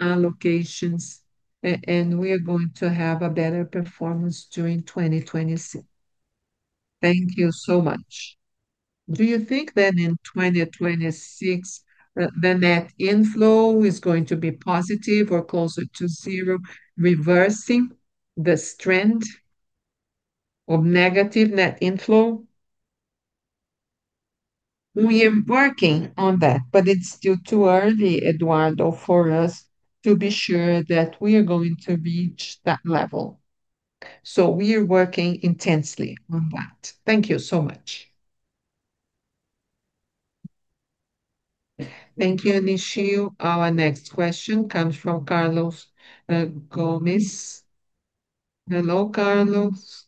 allocations. And we are going to have a better performance during 2026. Thank you so much. Do you think that in 2026, the net inflow is going to be positive or closer to zero, reversing the strength of negative net inflow? We are working on that, but it's still too early, Eduardo, for us to be sure that we are going to reach that level. So we are working intensely on that. Thank you so much. Thank you, Nishio. Our next question comes from Carlos Gomez-Lopez. Hello, Carlos.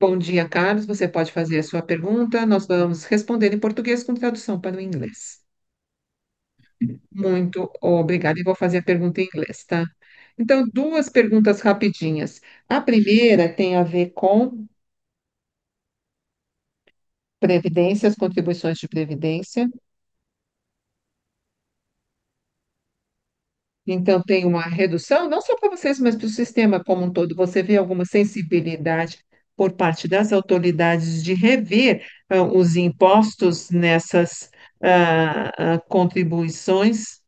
Bom dia, Carlos. Você pode fazer a sua pergunta. Nós vamos responder em português, com tradução para o inglês. Muito obrigada, e vou fazer a pergunta em inglês, tá? Então, duas perguntas rapidinhas: a primeira tem a ver com previdências, contribuições de previdência. Então, tem uma redução, não só para vocês, mas pro sistema como um todo. Você vê alguma sensibilidade por parte das autoridades de rever os impostos nessas contribuições,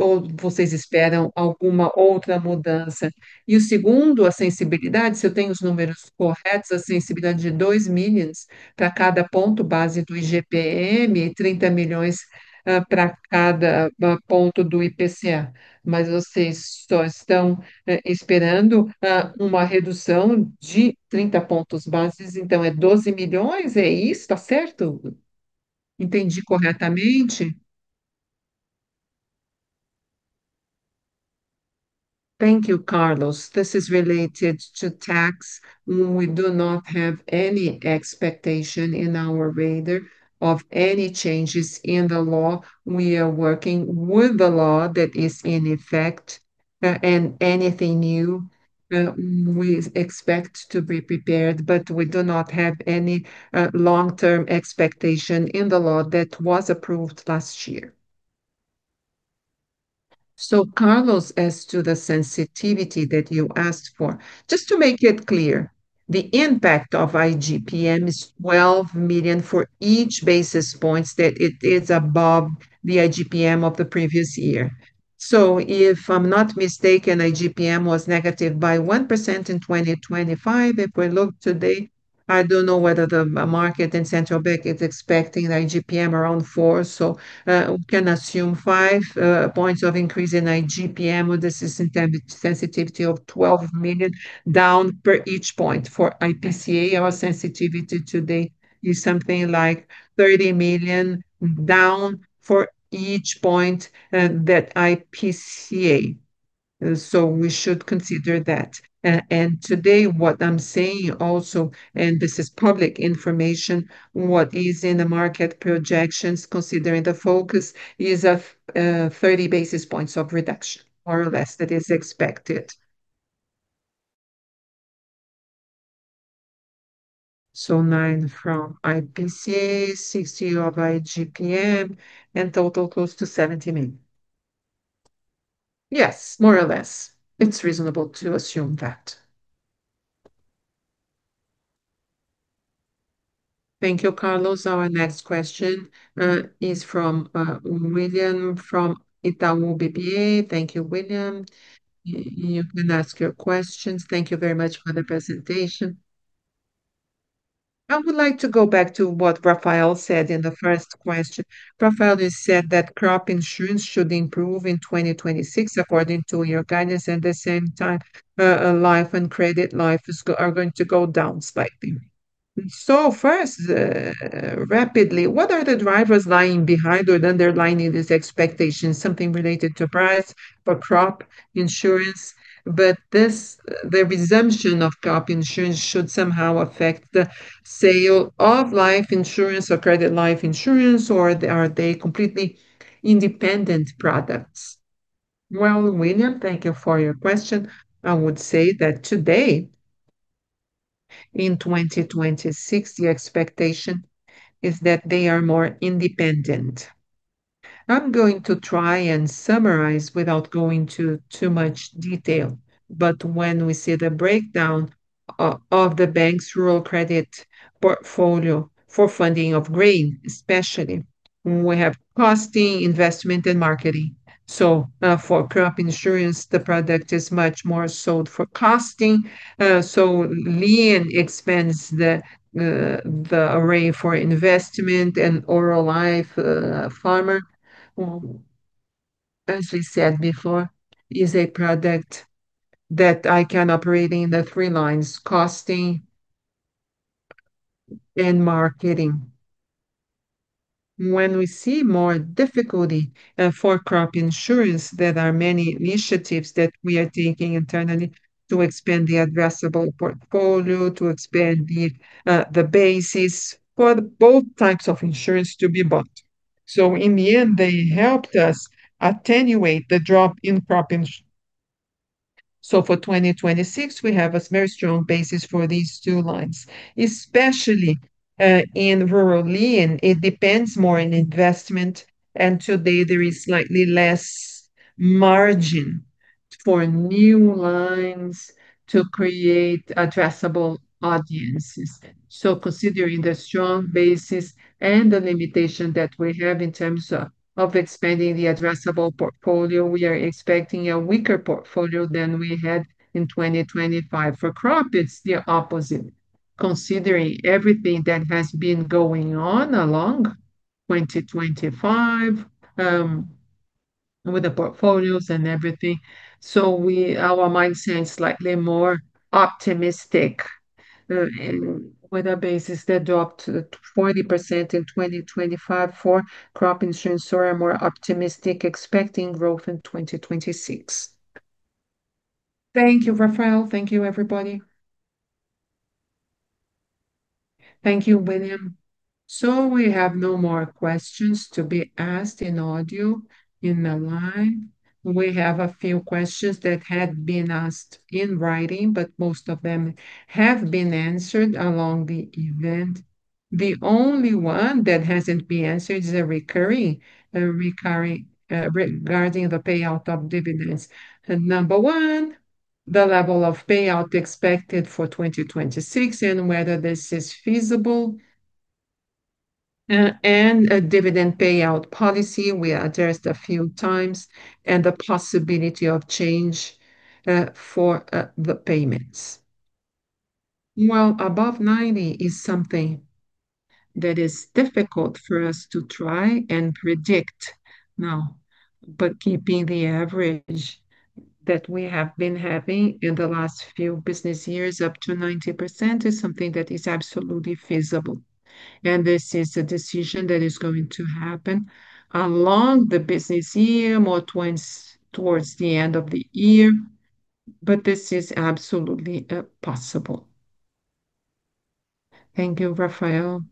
ou vocês esperam alguma outra mudança? E o segundo, a sensibilidade, se eu tenho os números corretos, a sensibilidade de 2 million para cada ponto base do IGP-M, e 30 million para cada ponto do IPCA. Mas vocês só estão esperando uma redução de 30 pontos base, então é 12 million. É isso, tá certo? Entendi corretamente? Thank you, Carlos. This is related to tax. We do not have any expectation in our radar of any changes in the law. We are working with the law that is in effect, and anything new, we expect to be prepared, but we do not have any, long-term expectation in the law that was approved last year. So, Carlos, as to the sensitivity that you asked for, just to make it clear, the impact of IGP-M is 12 million for each basis points that it is above the IGP-M of the previous year. So if I'm not mistaken, IGP-M was negative by 1% in 2025. If we look today, I don't know whether the market and central bank is expecting IGP-M around 4, so we can assume 5 points of increase in IGP-M, with the system sensitivity of 12 million down per each point. For IPCA, our sensitivity today is something like 30 million down for each point that IPCA, so we should consider that. And today, what I'm saying also, and this is public information, what is in the market projections, considering the focus, is of 30 basis points of reduction, more or less, that is expected. So 9 from IPCA, 60 of IGP-M, and total close to 70 million. Yes, more or less. It's reasonable to assume that. Thank you, Carlos. Our next question is from William from Itaú BBA. Thank you, William. You can ask your questions. Thank you very much for the presentation. I would like to go back to what Rafael said in the first question. Rafael just said that crop insurance should improve in 2026, according to your guidance, at the same time, life and credit life are going to go down slightly. So first, rapidly, what are the drivers lying behind or underlining this expectation? Something related to price or crop insurance, but this, the resumption of crop insurance should somehow affect the sale of life insurance or credit life insurance, or are they completely independent products? Well, William, thank you for your question. I would say that today, in 2026, the expectation is that they are more independent. I'm going to try and summarize without going into too much detail, but when we see the breakdown of the bank's rural credit portfolio for funding of grain, especially, we have costing, investment, and marketing. So, for crop insurance, the product is much more sold for costing. So lien expands the, the array for investment, and rural life, farmer, as we said before, is a product that I can operate in the three lines: costing and marketing. When we see more difficulty, for crop insurance, there are many initiatives that we are taking internally to expand the addressable portfolio, to expand the, the basis for both types of insurance to be bought. So in the end, they helped us attenuate the drop in crop insurance. So for 2026, we have a very strong basis for these two lines, especially, in rural lien, it depends more on investment, and today there is slightly less margin for new lines to create addressable audiences. So considering the strong basis and the limitation that we have in terms of, of expanding the addressable portfolio, we are expecting a weaker portfolio than we had in 2025. For crop, it's the opposite. Considering everything that has been going on along 2025, with the portfolios and everything, our mindset is slightly more optimistic. And with a basis drop to 40% in 2025 for crop insurance, so we're more optimistic, expecting growth in 2026. Thank you, Rafael. Thank you, everybody. Thank you, William. So we have no more questions to be asked in audio in the line. We have a few questions that had been asked in writing, but most of them have been answered along the event. The only one that hasn't been answered is a recurring regarding the payout of dividends. And number one, the level of payout expected for 2026, and whether this is feasible, and a dividend payout policy we addressed a few times, and the possibility of change for the payments. Well, above 90 is something that is difficult for us to try and predict now, but keeping the average that we have been having in the last few business years, up to 90%, is something that is absolutely feasible, and this is a decision that is going to happen along the business year, more towards the end of the year, but this is absolutely possible. Thank you, Rafael.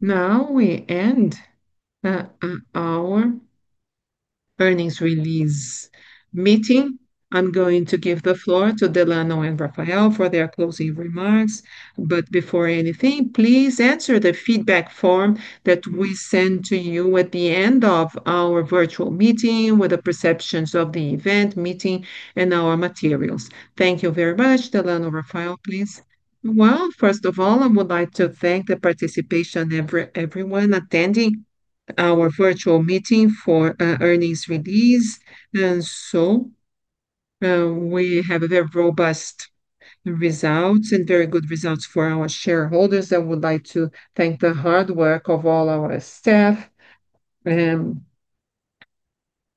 Now we end our earnings release meeting. I'm going to give the floor to Delano and Rafael for their closing remarks. But before anything, please answer the feedback form that we send to you at the end of our virtual meeting, with the perceptions of the event, meeting, and our materials. Thank you very much. Delano, Rafael, please. Well, first of all, I would like to thank the participation everyone attending our virtual meeting for earnings release. And so, we have very robust results and very good results for our shareholders. I would like to thank the hard work of all our staff, and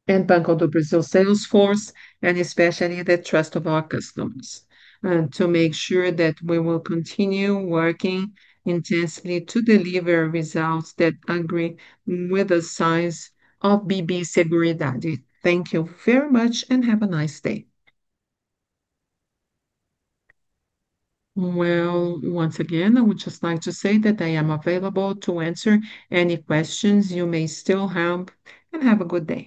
Banco do Brasil sales force, and especially the trust of our customers, to make sure that we will continue working intensely to deliver results that agree with the size of BB Seguridade. Thank you very much, and have a nice day. Well, once again, I would just like to say that I am available to answer any questions you may still have, and have a good day.